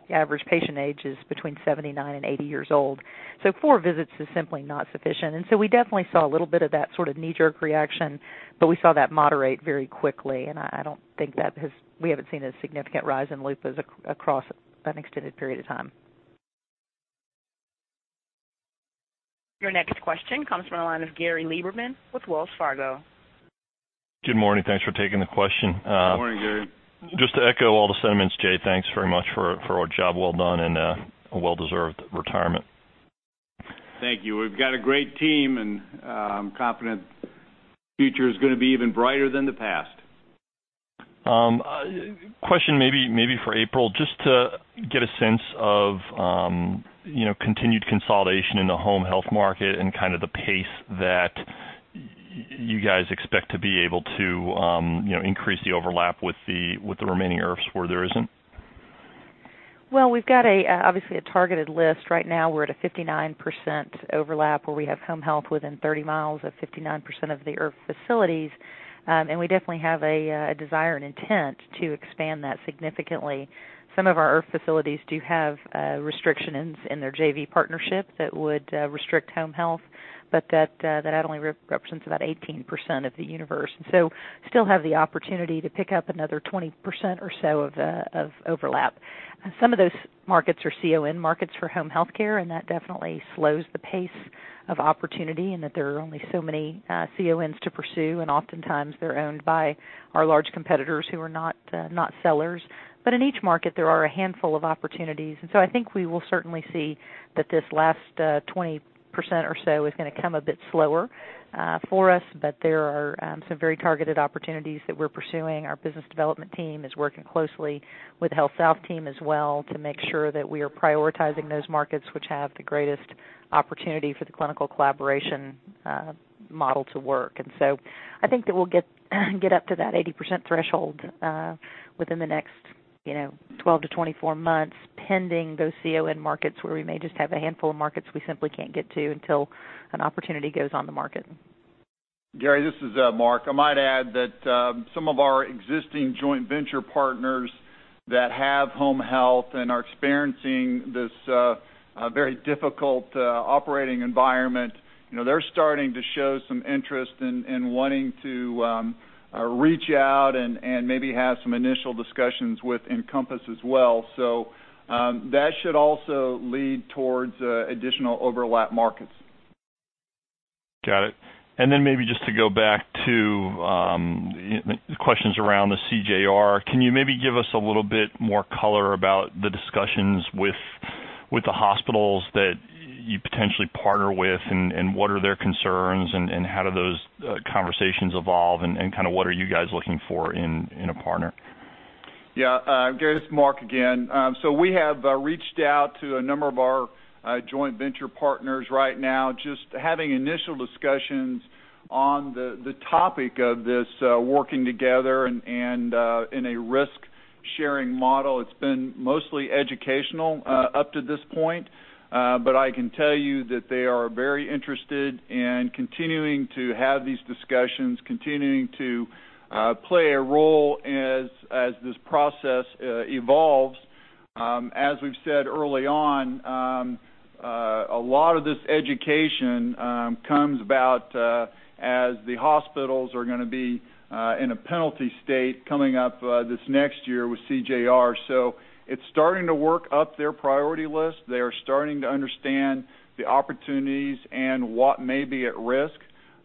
the average patient age is between 79 and 80 years old. Four visits is simply not sufficient. We definitely saw a little bit of that sort of knee-jerk reaction, but we saw that moderate very quickly, and I don't think we haven't seen a significant rise in LUPAs across an extended period of time. Your next question comes from the line of Gary Lieberman with Wells Fargo. Good morning. Thanks for taking the question. Good morning, Gary. Just to echo all the sentiments, Jay, thanks very much for a job well done and a well-deserved retirement. Thank you. We've got a great team. I'm confident the future is going to be even brighter than the past. A question maybe for April, just to get a sense of continued consolidation in the home health market and the pace that you guys expect to be able to increase the overlap with the remaining IRFs where there isn't. Well, we've got, obviously, a targeted list. Right now, we're at a 59% overlap where we have home health within 30 miles of 59% of the IRF facilities. We definitely have a desire and intent to expand that significantly. Some of our IRF facilities do have restrictions in their JV partnership that would restrict home health, but that only represents about 18% of the universe. Still have the opportunity to pick up another 20% or so of overlap. Some of those markets are CON markets for home health care, and that definitely slows the pace of opportunity in that there are only so many CONs to pursue, and oftentimes they're owned by our large competitors who are not sellers. In each market, there are a handful of opportunities. I think we will certainly see that this last 20% or so is going to come a bit slower for us. There are some very targeted opportunities that we're pursuing. Our business development team is working closely with the HealthSouth team as well to make sure that we are prioritizing those markets which have the greatest opportunity for the clinical collaboration model to work. I think that we'll get up to that 80% threshold within the next 12-24 months, pending those CON markets where we may just have a handful of markets we simply can't get to until an opportunity goes on the market. Gary, this is Mark. I might add that some of our existing joint venture partners that have home health and are experiencing this very difficult operating environment. They're starting to show some interest in wanting to reach out and maybe have some initial discussions with Encompass as well. That should also lead towards additional overlap markets. Got it. Maybe just to go back to questions around the CJR, can you maybe give us a little bit more color about the discussions with the hospitals that you potentially partner with, and what are their concerns, and how do those conversations evolve, and what are you guys looking for in a partner? Gary, this is Mark again. We have reached out to a number of our joint venture partners right now, just having initial discussions on the topic of this working together and in a risk-sharing model. It's been mostly educational up to this point. I can tell you that they are very interested in continuing to have these discussions, continuing to play a role as this process evolves. As we've said early on, a lot of this education comes about as the hospitals are going to be in a penalty state coming up this next year with CJR. It's starting to work up their priority list. They are starting to understand the opportunities and what may be at risk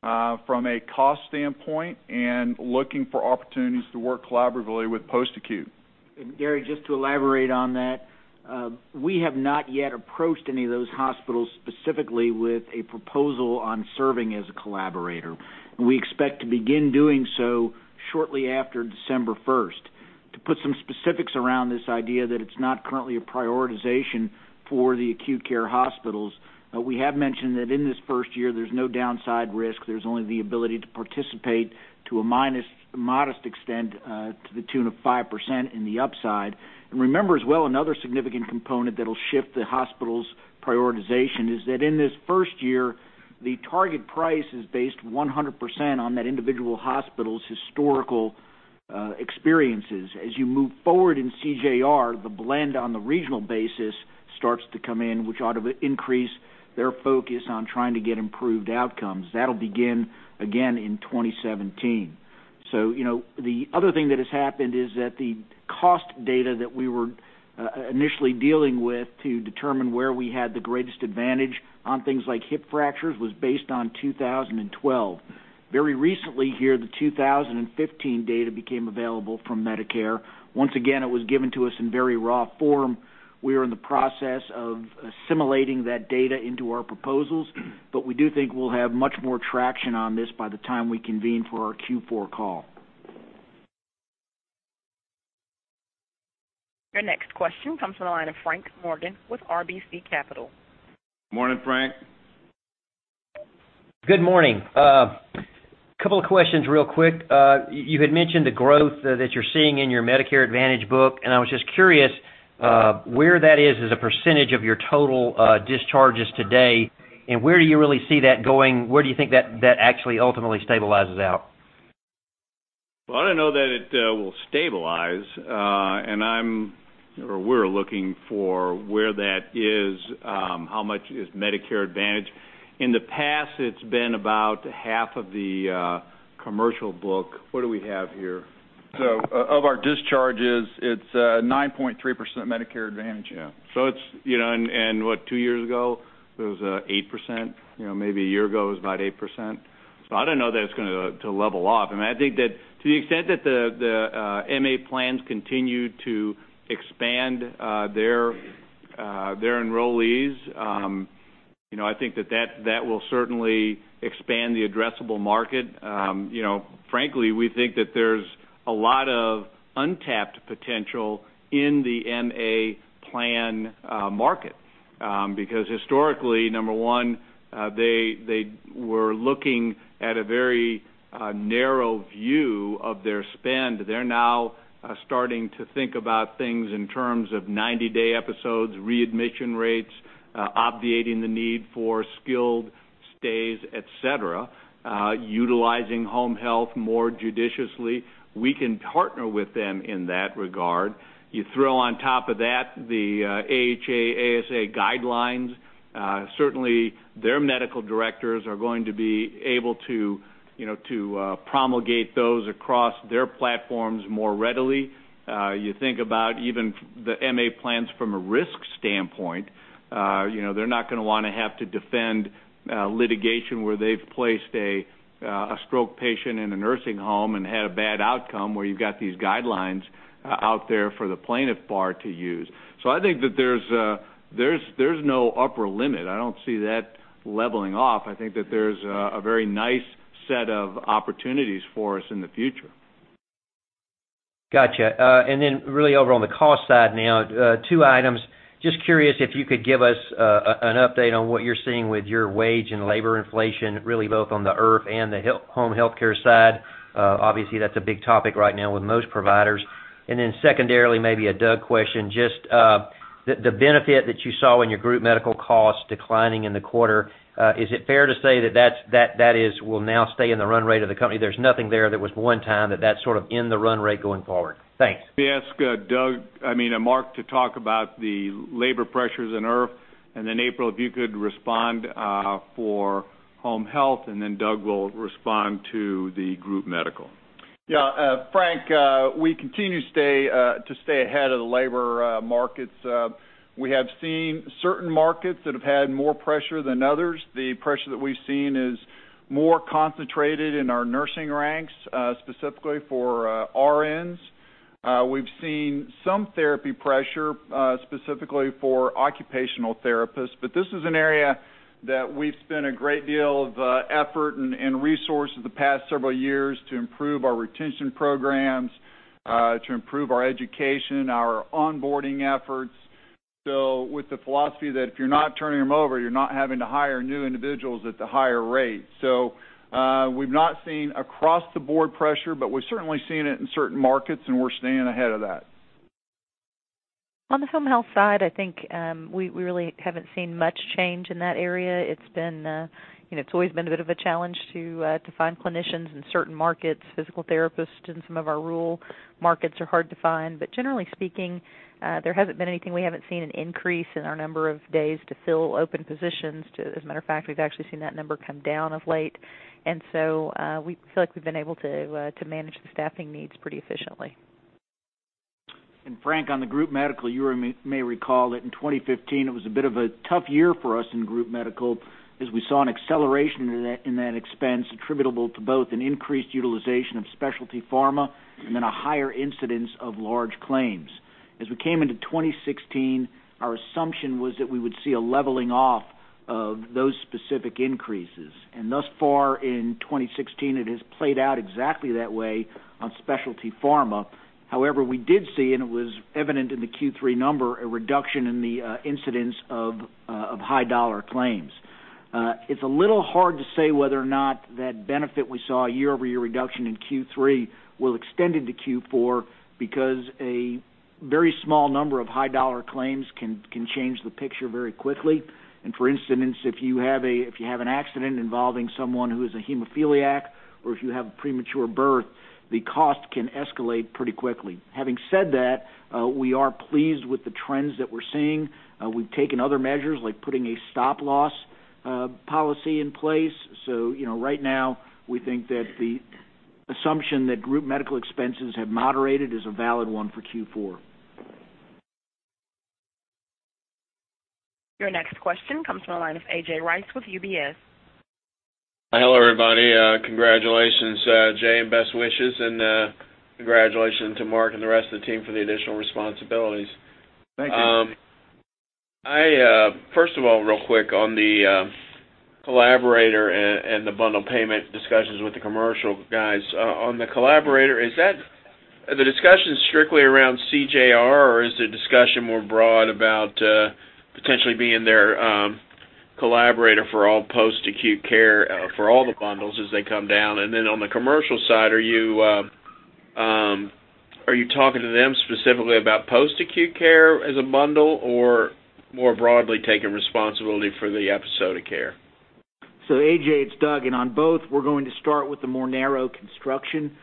from a cost standpoint and looking for opportunities to work collaboratively with post-acute. Gary, just to elaborate on that. We have not yet approached any of those hospitals specifically with a proposal on serving as a collaborator. We expect to begin doing so shortly after December 1st. To put some specifics around this idea that it's not currently a prioritization for the acute care hospitals, but we have mentioned that in this first year, there's no downside risk. There's only the ability to participate to a modest extent to the tune of 5% in the upside. Remember as well, another significant component that'll shift the hospital's prioritization is that in this first year, the target price is based 100% on that individual hospital's historical experiences. As you move forward in CJR, the blend on the regional basis starts to come in, which ought to increase their focus on trying to get improved outcomes. That'll begin again in 2017. The other thing that has happened is that the cost data that we were initially dealing with to determine where we had the greatest advantage on things like hip fractures was based on 2012. Very recently here, the 2015 data became available from Medicare. Once again, it was given to us in very raw form. We are in the process of assimilating that data into our proposals, but we do think we'll have much more traction on this by the time we convene for our Q4 call. Your next question comes from the line of Frank Morgan with RBC Capital. Morning, Frank. Good morning. A couple of questions real quick. You had mentioned the growth that you're seeing in your Medicare Advantage book, I was just curious where that is as a percentage of your total discharges today, and where do you really see that going? Where do you think that actually ultimately stabilizes out? Well, I don't know that it will stabilize. We're looking for where that is, how much is Medicare Advantage. In the past, it's been about half of the commercial book. What do we have here? Of our discharges, it's 9.3% Medicare Advantage. Yeah. What, two years ago it was 8%? Maybe a year ago it was about 8%. I don't know that it's going to level off. I think that to the extent that the MA plans continue to expand their enrollees, I think that that will certainly expand the addressable market. Frankly, we think that there's a lot of untapped potential in the MA plan market. Historically, number one, they were looking at a very narrow view of their spend. They're now starting to think about things in terms of 90-day episodes, readmission rates, obviating the need for skilled stays, et cetera, utilizing home health more judiciously. We can partner with them in that regard. You throw on top of that the AHA/ASA guidelines. Certainly, their medical directors are going to be able to promulgate those across their platforms more readily. You think about even the MA plans from a risk standpoint. They're not going to want to have to defend litigation where they've placed a stroke patient in a nursing home and had a bad outcome, where you've got these guidelines out there for the plaintiff bar to use. I think that there's no upper limit. I don't see that leveling off. I think that there's a very nice set of opportunities for us in the future. Got you. Really over on the cost side now, two items. Just curious if you could give us an update on what you're seeing with your wage and labor inflation, really both on the IRF and the home healthcare side. Obviously, that's a big topic right now with most providers. Secondarily, maybe a Doug question, just the benefit that you saw in your group medical costs declining in the quarter, is it fair to say that that will now stay in the run rate of the company? There's nothing there that was one time, that that's sort of in the run rate going forward? Thanks. Let me ask Mark to talk about the labor pressures in IRF, then April, if you could respond for home health, then Doug will respond to the group medical. Yeah. Frank, we continue to stay ahead of the labor markets. We have seen certain markets that have had more pressure than others. The pressure that we've seen is more concentrated in our nursing ranks, specifically for RNs. We've seen some therapy pressure, specifically for occupational therapists. This is an area that we've spent a great deal of effort and resource over the past several years to improve our retention programs, to improve our education, our onboarding efforts. With the philosophy that if you're not turning them over, you're not having to hire new individuals at the higher rate. We've not seen across-the-board pressure, we've certainly seen it in certain markets, and we're staying ahead of that. On the home health side, I think we really haven't seen much change in that area. It's always been a bit of a challenge to find clinicians in certain markets. Physical therapists in some of our rural markets are hard to find. Generally speaking, there hasn't been anything. We haven't seen an increase in our number of days to fill open positions. As a matter of fact, we've actually seen that number come down of late. We feel like we've been able to manage the staffing needs pretty efficiently. Frank, on the group medical, you may recall that in 2015, it was a bit of a tough year for us in group medical as we saw an acceleration in that expense attributable to both an increased utilization of specialty pharma and then a higher incidence of large claims. As we came into 2016, our assumption was that we would see a leveling off of those specific increases. Thus far in 2016, it has played out exactly that way on specialty pharma. However, we did see, and it was evident in the Q3 number, a reduction in the incidence of high-dollar claims. It's a little hard to say whether or not that benefit we saw, a year-over-year reduction in Q3, will extend into Q4 because a very small number of high-dollar claims can change the picture very quickly. For instance, if you have an accident involving someone who is a hemophiliac or if you have a premature birth, the cost can escalate pretty quickly. Having said that, we are pleased with the trends that we're seeing. We've taken other measures like putting a stop-loss policy in place. Right now, we think that the assumption that group medical expenses have moderated is a valid one for Q4. Your next question comes from the line of A.J. Rice with UBS. Hello, everybody. Congratulations, Jay, and best wishes, and congratulations to Mark and the rest of the team for the additional responsibilities. Thank you. First of all, real quick, on the collaborator and the bundled payment discussions with the commercial guys. On the collaborator, are the discussions strictly around CJR, or is the discussion more broad about potentially being their collaborator for all post-acute care for all the bundles as they come down? Then on the commercial side, are you talking to them specifically about post-acute care as a bundle, or more broadly taking responsibility for the episode of care? A.J., it's Doug, and on both, we're going to start with the more narrow construction.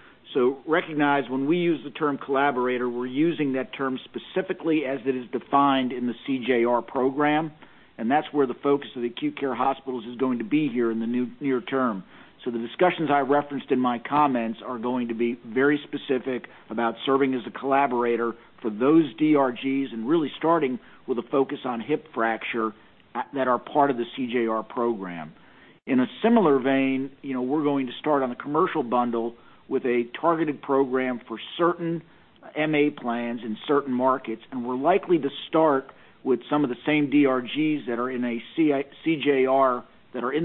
Recognize when we use the term collaborator, we're using that term specifically as it is defined in the CJR program. That's where the focus of the acute care hospitals is going to be here in the near term. The discussions I referenced in my comments are going to be very specific about serving as a collaborator for those DRGs and really starting with a focus on hip fracture that are part of the CJR program. In a similar vein, we're going to start on the commercial bundle with a targeted program for certain MA plans in certain markets, and we're likely to start with some of the same DRGs that are in the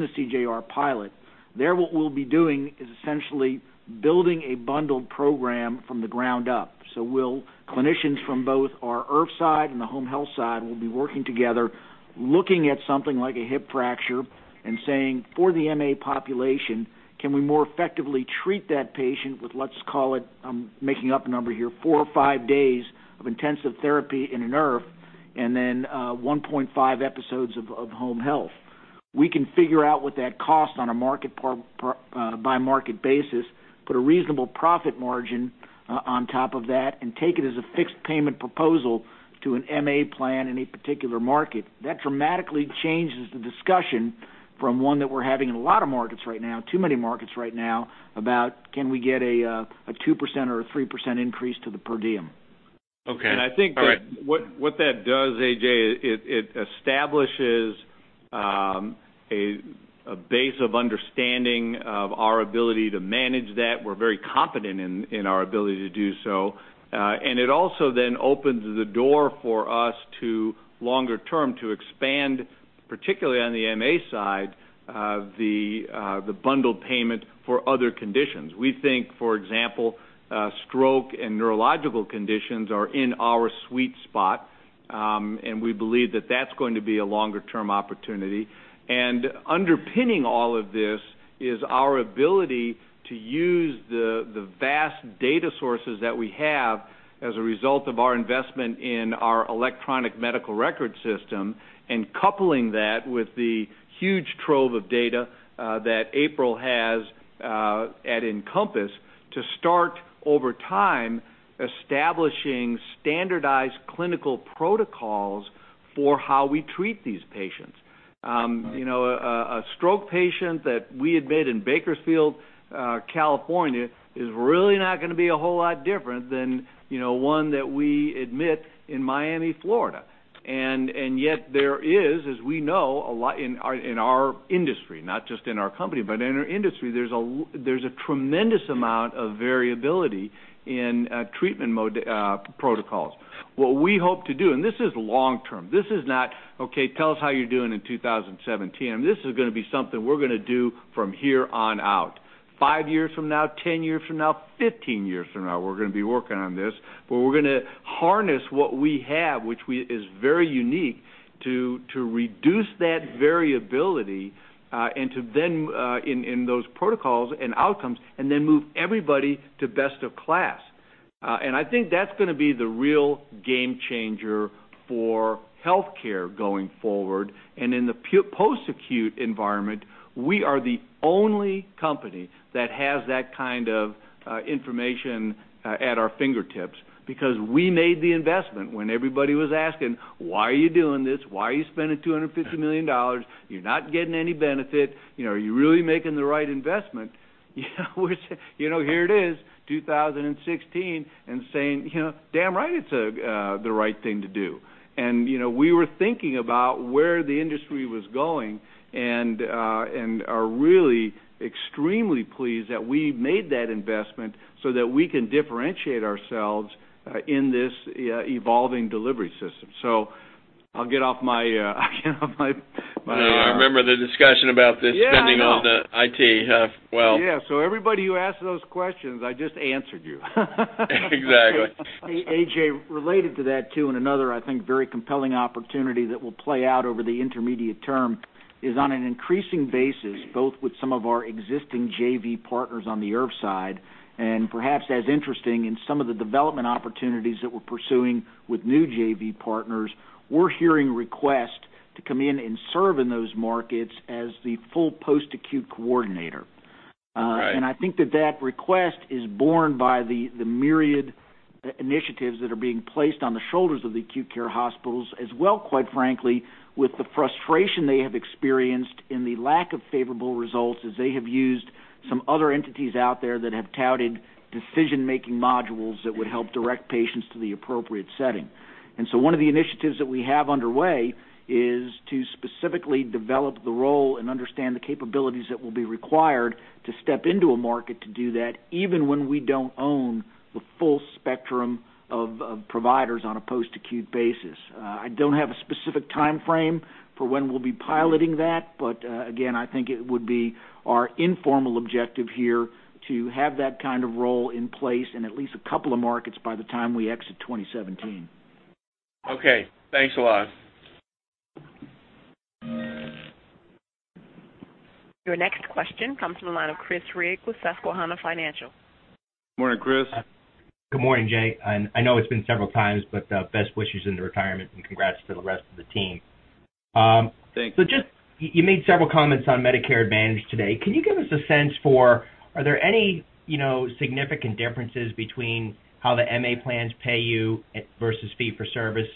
CJR pilot. There, what we'll be doing is essentially building a bundled program from the ground up. Clinicians from both our IRF side and the home health side will be working together, looking at something like a hip fracture and saying, for the MA population, can we more effectively treat that patient with, let's call it, I'm making up a number here, four or five days of intensive therapy in an IRF, and then 1.5 episodes of home health. We can figure out what that costs on a by market basis, put a reasonable profit margin on top of that, and take it as a fixed payment proposal to an MA plan in a particular market. That dramatically changes the discussion from one that we're having in a lot of markets right now, too many markets right now, about can we get a 2% or a 3% increase to the per diem. Okay. All right. I think that what that does, A.J., it establishes a base of understanding of our ability to manage that. We're very competent in our ability to do so. It also then opens the door for us to, longer term, to expand, particularly on the MA side, the bundled payment for other conditions. We think, for example, stroke and neurological conditions are in our sweet spot, and we believe that that's going to be a longer-term opportunity. Underpinning all of this is our ability to use the vast data sources that we have as a result of our investment in our electronic medical record system, and coupling that with the huge trove of data that April has at Encompass to start, over time, establishing standardized clinical protocols for how we treat these patients. Right. A stroke patient that we admit in Bakersfield, California, is really not going to be a whole lot different than one that we admit in Miami, Florida. Yet there is, as we know, in our industry, not just in our company, but in our industry, there's a tremendous amount of variability in treatment protocols. What we hope to do, and this is long term, this is not, okay, tell us how you're doing in 2017. This is going to be something we're going to do from here on out. Five years from now, 10 years from now, 15 years from now, we're going to be working on this, but we're going to harness what we have, which is very unique, to reduce that variability in those protocols and outcomes, and then move everybody to best of class. I think that's going to be the real game changer for healthcare going forward. In the post-acute environment, we are the only company that has that kind of information at our fingertips because we made the investment when everybody was asking, "Why are you doing this? Why are you spending $250 million? You're not getting any benefit. Are you really making the right investment?" Here it is, 2016, and saying, damn right it's the right thing to do. We were thinking about where the industry was going and are really extremely pleased that we made that investment so that we can differentiate ourselves in this evolving delivery system. I'll get off my- Yeah, I remember the discussion about this- Yeah, I know spending on the IT. Well. Yeah. Everybody who asked those questions, I just answered you. Exactly. A.J., related to that, too, another, I think, very compelling opportunity that will play out over the intermediate term is on an increasing basis, both with some of our existing JV partners on the IRF side and perhaps as interesting in some of the development opportunities that we're pursuing with new JV partners, we're hearing requests to come in and serve in those markets as the full post-acute coordinator. Right. I think that that request is borne by the myriad initiatives that are being placed on the shoulders of the acute care hospitals as well, quite frankly, with the frustration they have experienced in the lack of favorable results as they have used some other entities out there that have touted decision-making modules that would help direct patients to the appropriate setting. One of the initiatives that we have underway is to specifically develop the role and understand the capabilities that will be required to step into a market to do that, even when we don't own the full spectrum of providers on a post-acute basis. I don't have a specific timeframe for when we'll be piloting that, again, I think it would be our informal objective here to have that kind of role in place in at least a couple of markets by the time we exit 2017. Okay. Thanks a lot. Your next question comes from the line of Chris Rigg with Susquehanna Financial Group. Morning, Chris. Good morning, Jay. I know it's been several times, best wishes in the retirement and congrats to the rest of the team. Thank you. You made several comments on Medicare Advantage today. Can you give us a sense for, are there any significant differences between how the MA plans pay you versus fee-for-service?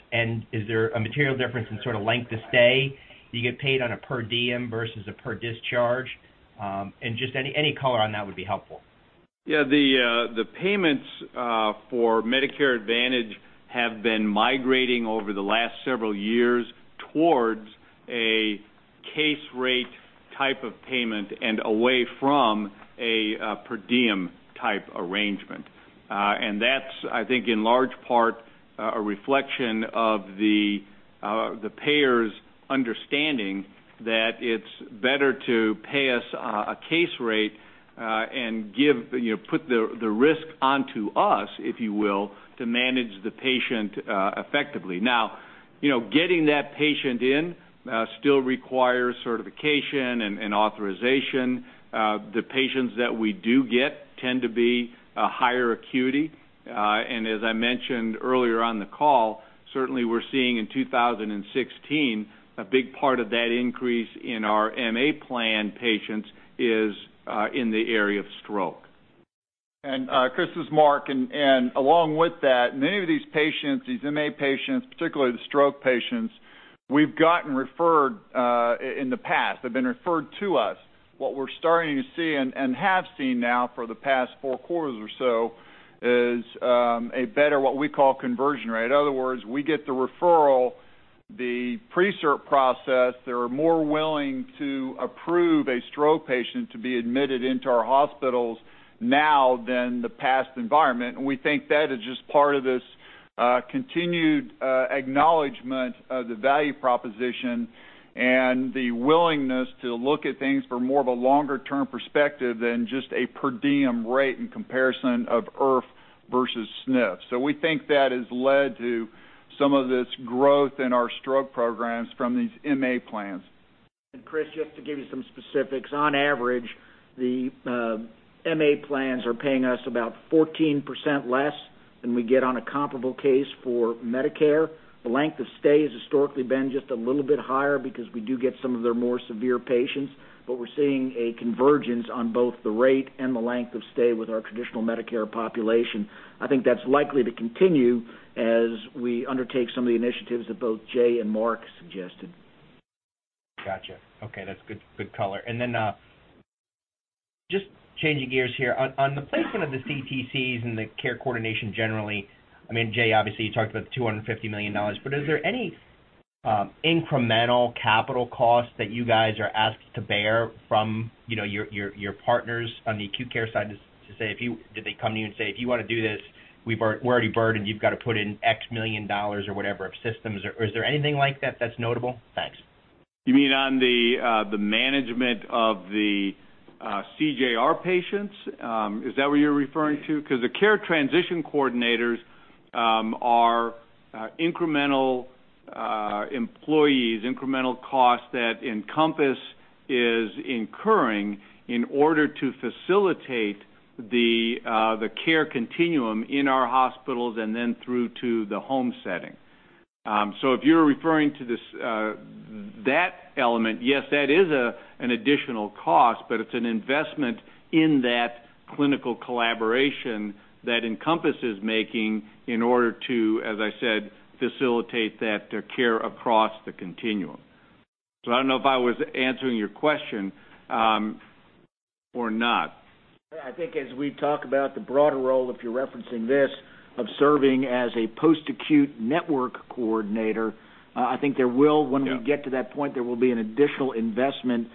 Is there a material difference in sort of length of stay? Do you get paid on a per diem versus a per discharge? Just any color on that would be helpful. Yeah. The payments for Medicare Advantage have been migrating over the last several years towards a case rate type of payment and away from a per diem type arrangement. That's, I think, in large part, a reflection of the payers understanding that it's better to pay us a case rate and put the risk onto us, if you will, to manage the patient effectively. Now, getting that patient in still requires certification and authorization. The patients that we do get tend to be higher acuity. As I mentioned earlier on the call, certainly we're seeing in 2016, a big part of that increase in our MA plan patients is in the area of stroke. Chris, this is Mark, and along with that, many of these patients, these MA patients, particularly the stroke patients, we've gotten referred in the past. They've been referred to us. What we're starting to see and have seen now for the past four quarters or so is a better, what we call conversion rate. In other words, we get the referral, the pre-cert process, they are more willing to approve a stroke patient to be admitted into our hospitals now than the past environment. We think that is just part of this continued acknowledgement of the value proposition and the willingness to look at things for more of a longer-term perspective than just a per diem rate in comparison of IRF versus SNF. We think that has led to some of this growth in our stroke programs from these MA plans. Chris, just to give you some specifics. On average, the MA plans are paying us about 14% less than we get on a comparable case for Medicare. The length of stay has historically been just a little bit higher because we do get some of their more severe patients, but we're seeing a convergence on both the rate and the length of stay with our traditional Medicare population. I think that's likely to continue as we undertake some of the initiatives that both Jay and Mark suggested. Got you. Okay, that's good color. Then just changing gears here. On the placement of the CTCs and the care coordination generally, I mean, Jay, obviously, you talked about the $250 million, but is there any incremental capital cost that you guys are asked to bear from your partners on the acute care side to say, did they come to you and say, "If you want to do this, we're already burdened. You've got to put in X million dollars or whatever of systems." Is there anything like that's notable? Thanks. You mean on the management of the CJR patients? Is that what you're referring to? Because the care transition coordinators are incremental employees, incremental costs that Encompass is incurring in order to facilitate the care continuum in our hospitals and then through to the home setting. If you're referring to that element, yes, that is an additional cost, but it's an investment in that clinical collaboration that Encompass is making in order to, as I said, facilitate that care across the continuum. I don't know if I was answering your question or not. I think as we talk about the broader role, if you're referencing this, of serving as a post-acute network coordinator, I think there will Yeah When we get to that point, there will be an additional investment,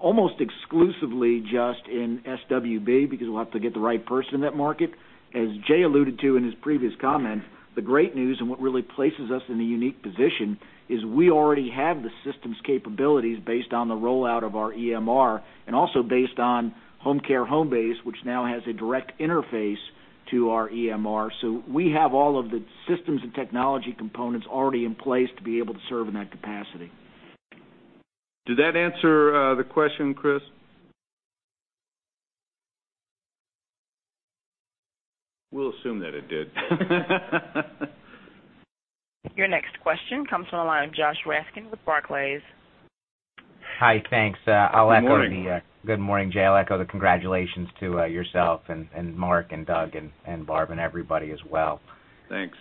almost exclusively just in SWB, because we'll have to get the right person in that market. As Jay alluded to in his previous comment, the great news and what really places us in a unique position is we already have the systems capabilities based on the rollout of our EMR and also based on Homecare Homebase, which now has a direct interface to our EMR. We have all of the systems and technology components already in place to be able to serve in that capacity. Did that answer the question, Chris? We'll assume that it did. Your next question comes from the line of Josh Raskin with Barclays. Hi. Thanks. Good morning. Good morning, Jay. I'll echo the congratulations to yourself and Mark and Doug and Barb and everybody as well. Thanks.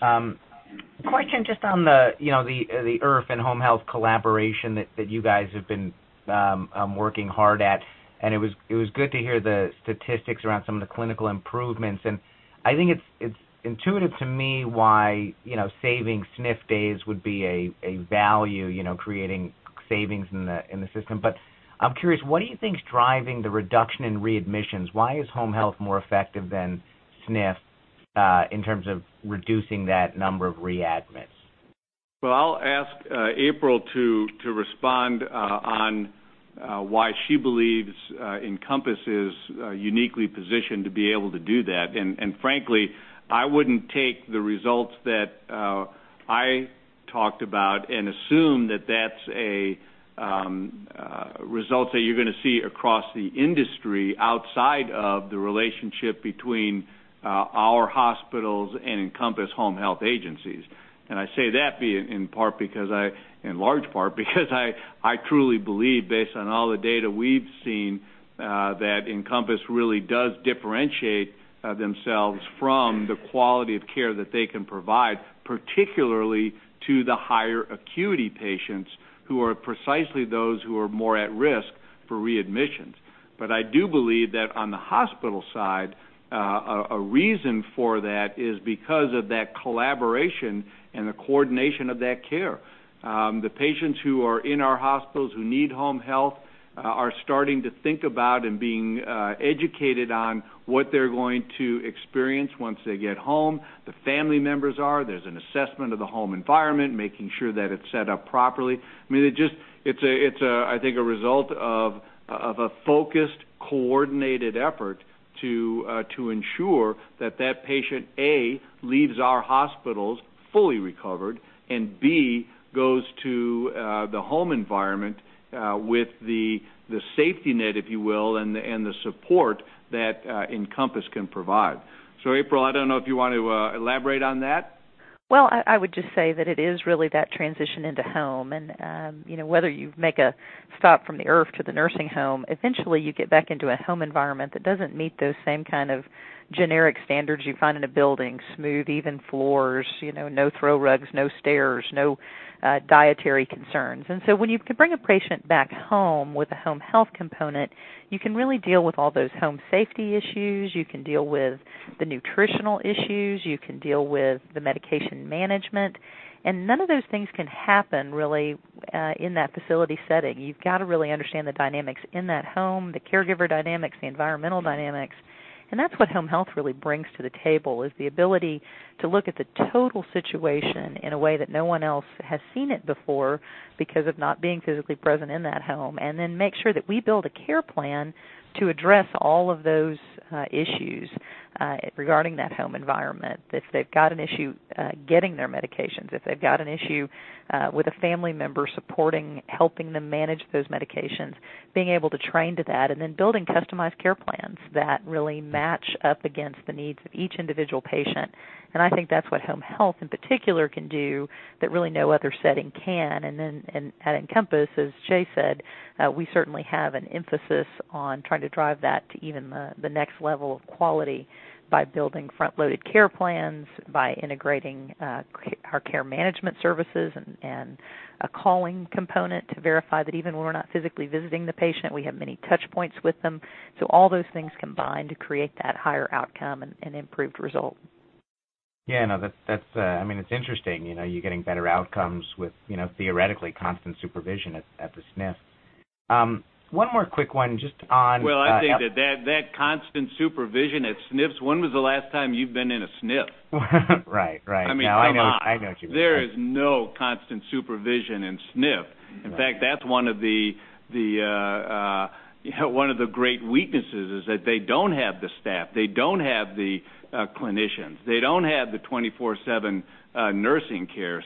Question just on the IRF and Home Health collaboration that you guys have been working hard at, it was good to hear the statistics around some of the clinical improvements. I think it's intuitive to me why saving SNF days would be a value, creating savings in the system. I'm curious, what do you think is driving the reduction in readmissions? Why is Home Health more effective than SNF in terms of reducing that number of readmits? Well, I'll ask April to respond on why she believes Encompass is uniquely positioned to be able to do that. Frankly, I wouldn't take the results that I talked about and assume that that's a Results that you're going to see across the industry outside of the relationship between our hospitals and Encompass Home Health agencies. I say that in large part because I truly believe, based on all the data we've seen, that Encompass really does differentiate themselves from the quality of care that they can provide, particularly to the higher acuity patients who are precisely those who are more at risk for readmissions. I do believe that on the hospital side, a reason for that is because of that collaboration and the coordination of that care. The patients who are in our hospitals who need home health are starting to think about and being educated on what they're going to experience once they get home. The family members are. There's an assessment of the home environment, making sure that it's set up properly. It's, I think, a result of a focused, coordinated effort to ensure that that patient, A, leaves our hospitals fully recovered, and B, goes to the home environment with the safety net, if you will, and the support that Encompass can provide. April, I don't know if you want to elaborate on that. Well, I would just say that it is really that transition into home, and whether you make a stop from the IRF to the nursing home, eventually you get back into a home environment that doesn't meet those same kind of generic standards you find in a building. Smooth, even floors, no throw rugs, no stairs, no dietary concerns. When you can bring a patient back home with a home health component, you can really deal with all those home safety issues. You can deal with the nutritional issues. You can deal with the medication management. None of those things can happen, really, in that facility setting. You've got to really understand the dynamics in that home, the caregiver dynamics, the environmental dynamics. That's what home health really brings to the table, is the ability to look at the total situation in a way that no one else has seen it before because of not being physically present in that home, and then make sure that we build a care plan to address all of those issues regarding that home environment. If they've got an issue getting their medications, if they've got an issue with a family member supporting, helping them manage those medications, being able to train to that, and then building customized care plans that really match up against the needs of each individual patient. I think that's what home health in particular can do that really no other setting can. At Encompass, as Jay said, we certainly have an emphasis on trying to drive that to even the next level of quality by building front-loaded care plans, by integrating our care management services and a calling component to verify that even when we're not physically visiting the patient, we have many touchpoints with them. All those things combine to create that higher outcome and improved result. Yeah. No, it's interesting. You're getting better outcomes with theoretically constant supervision at the SNF. Well, I think that that constant supervision at SNFs, when was the last time you've been in a SNF? Right. No, I know what you mean. I mean, come on. There is no constant supervision in SNF. Right. In fact, that's one of the great weaknesses, is that they don't have the staff, they don't have the clinicians. They don't have the twenty-four/seven nursing care.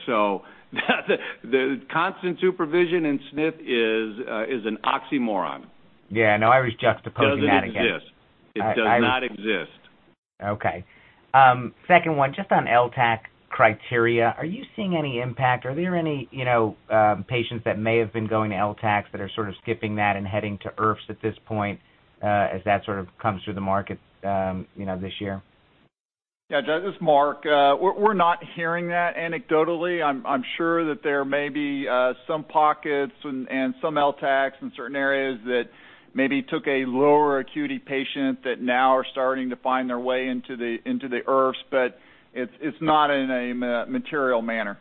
The constant supervision in SNF is an oxymoron. Yeah. No, I was juxtaposing that again. Doesn't exist. It does not exist. Okay. Second one, just on LTCH criteria, are you seeing any impact? Are there any patients that may have been going to LTCHs that are sort of skipping that and heading to IRFs at this point as that sort of comes through the market this year? Yeah, this is Mark. We're not hearing that anecdotally. I'm sure that there may be some pockets and some LTCHs in certain areas that maybe took a lower acuity patient that now are starting to find their way into the IRFs, it's not in a material manner.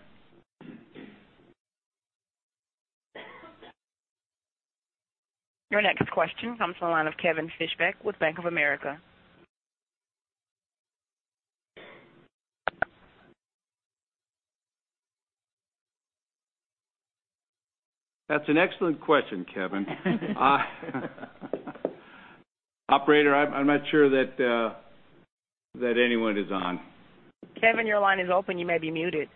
Your next question comes on the line of Kevin Fischbeck with Bank of America. That's an excellent question, Kevin. Operator, I'm not sure that anyone is on. Kevin, your line is open. You may be muted.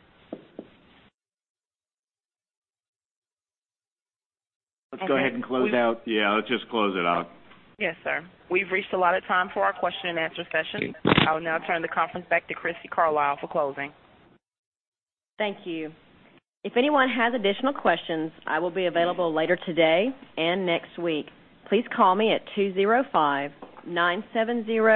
Let's go ahead and close out. Yeah, let's just close it out. Yes, sir. We've reached the allotted time for our question and answer session. I will now turn the conference back to Crissy Carlisle for closing. Thank you. If anyone has additional questions, I will be available later today and next week. Please call me at 205970-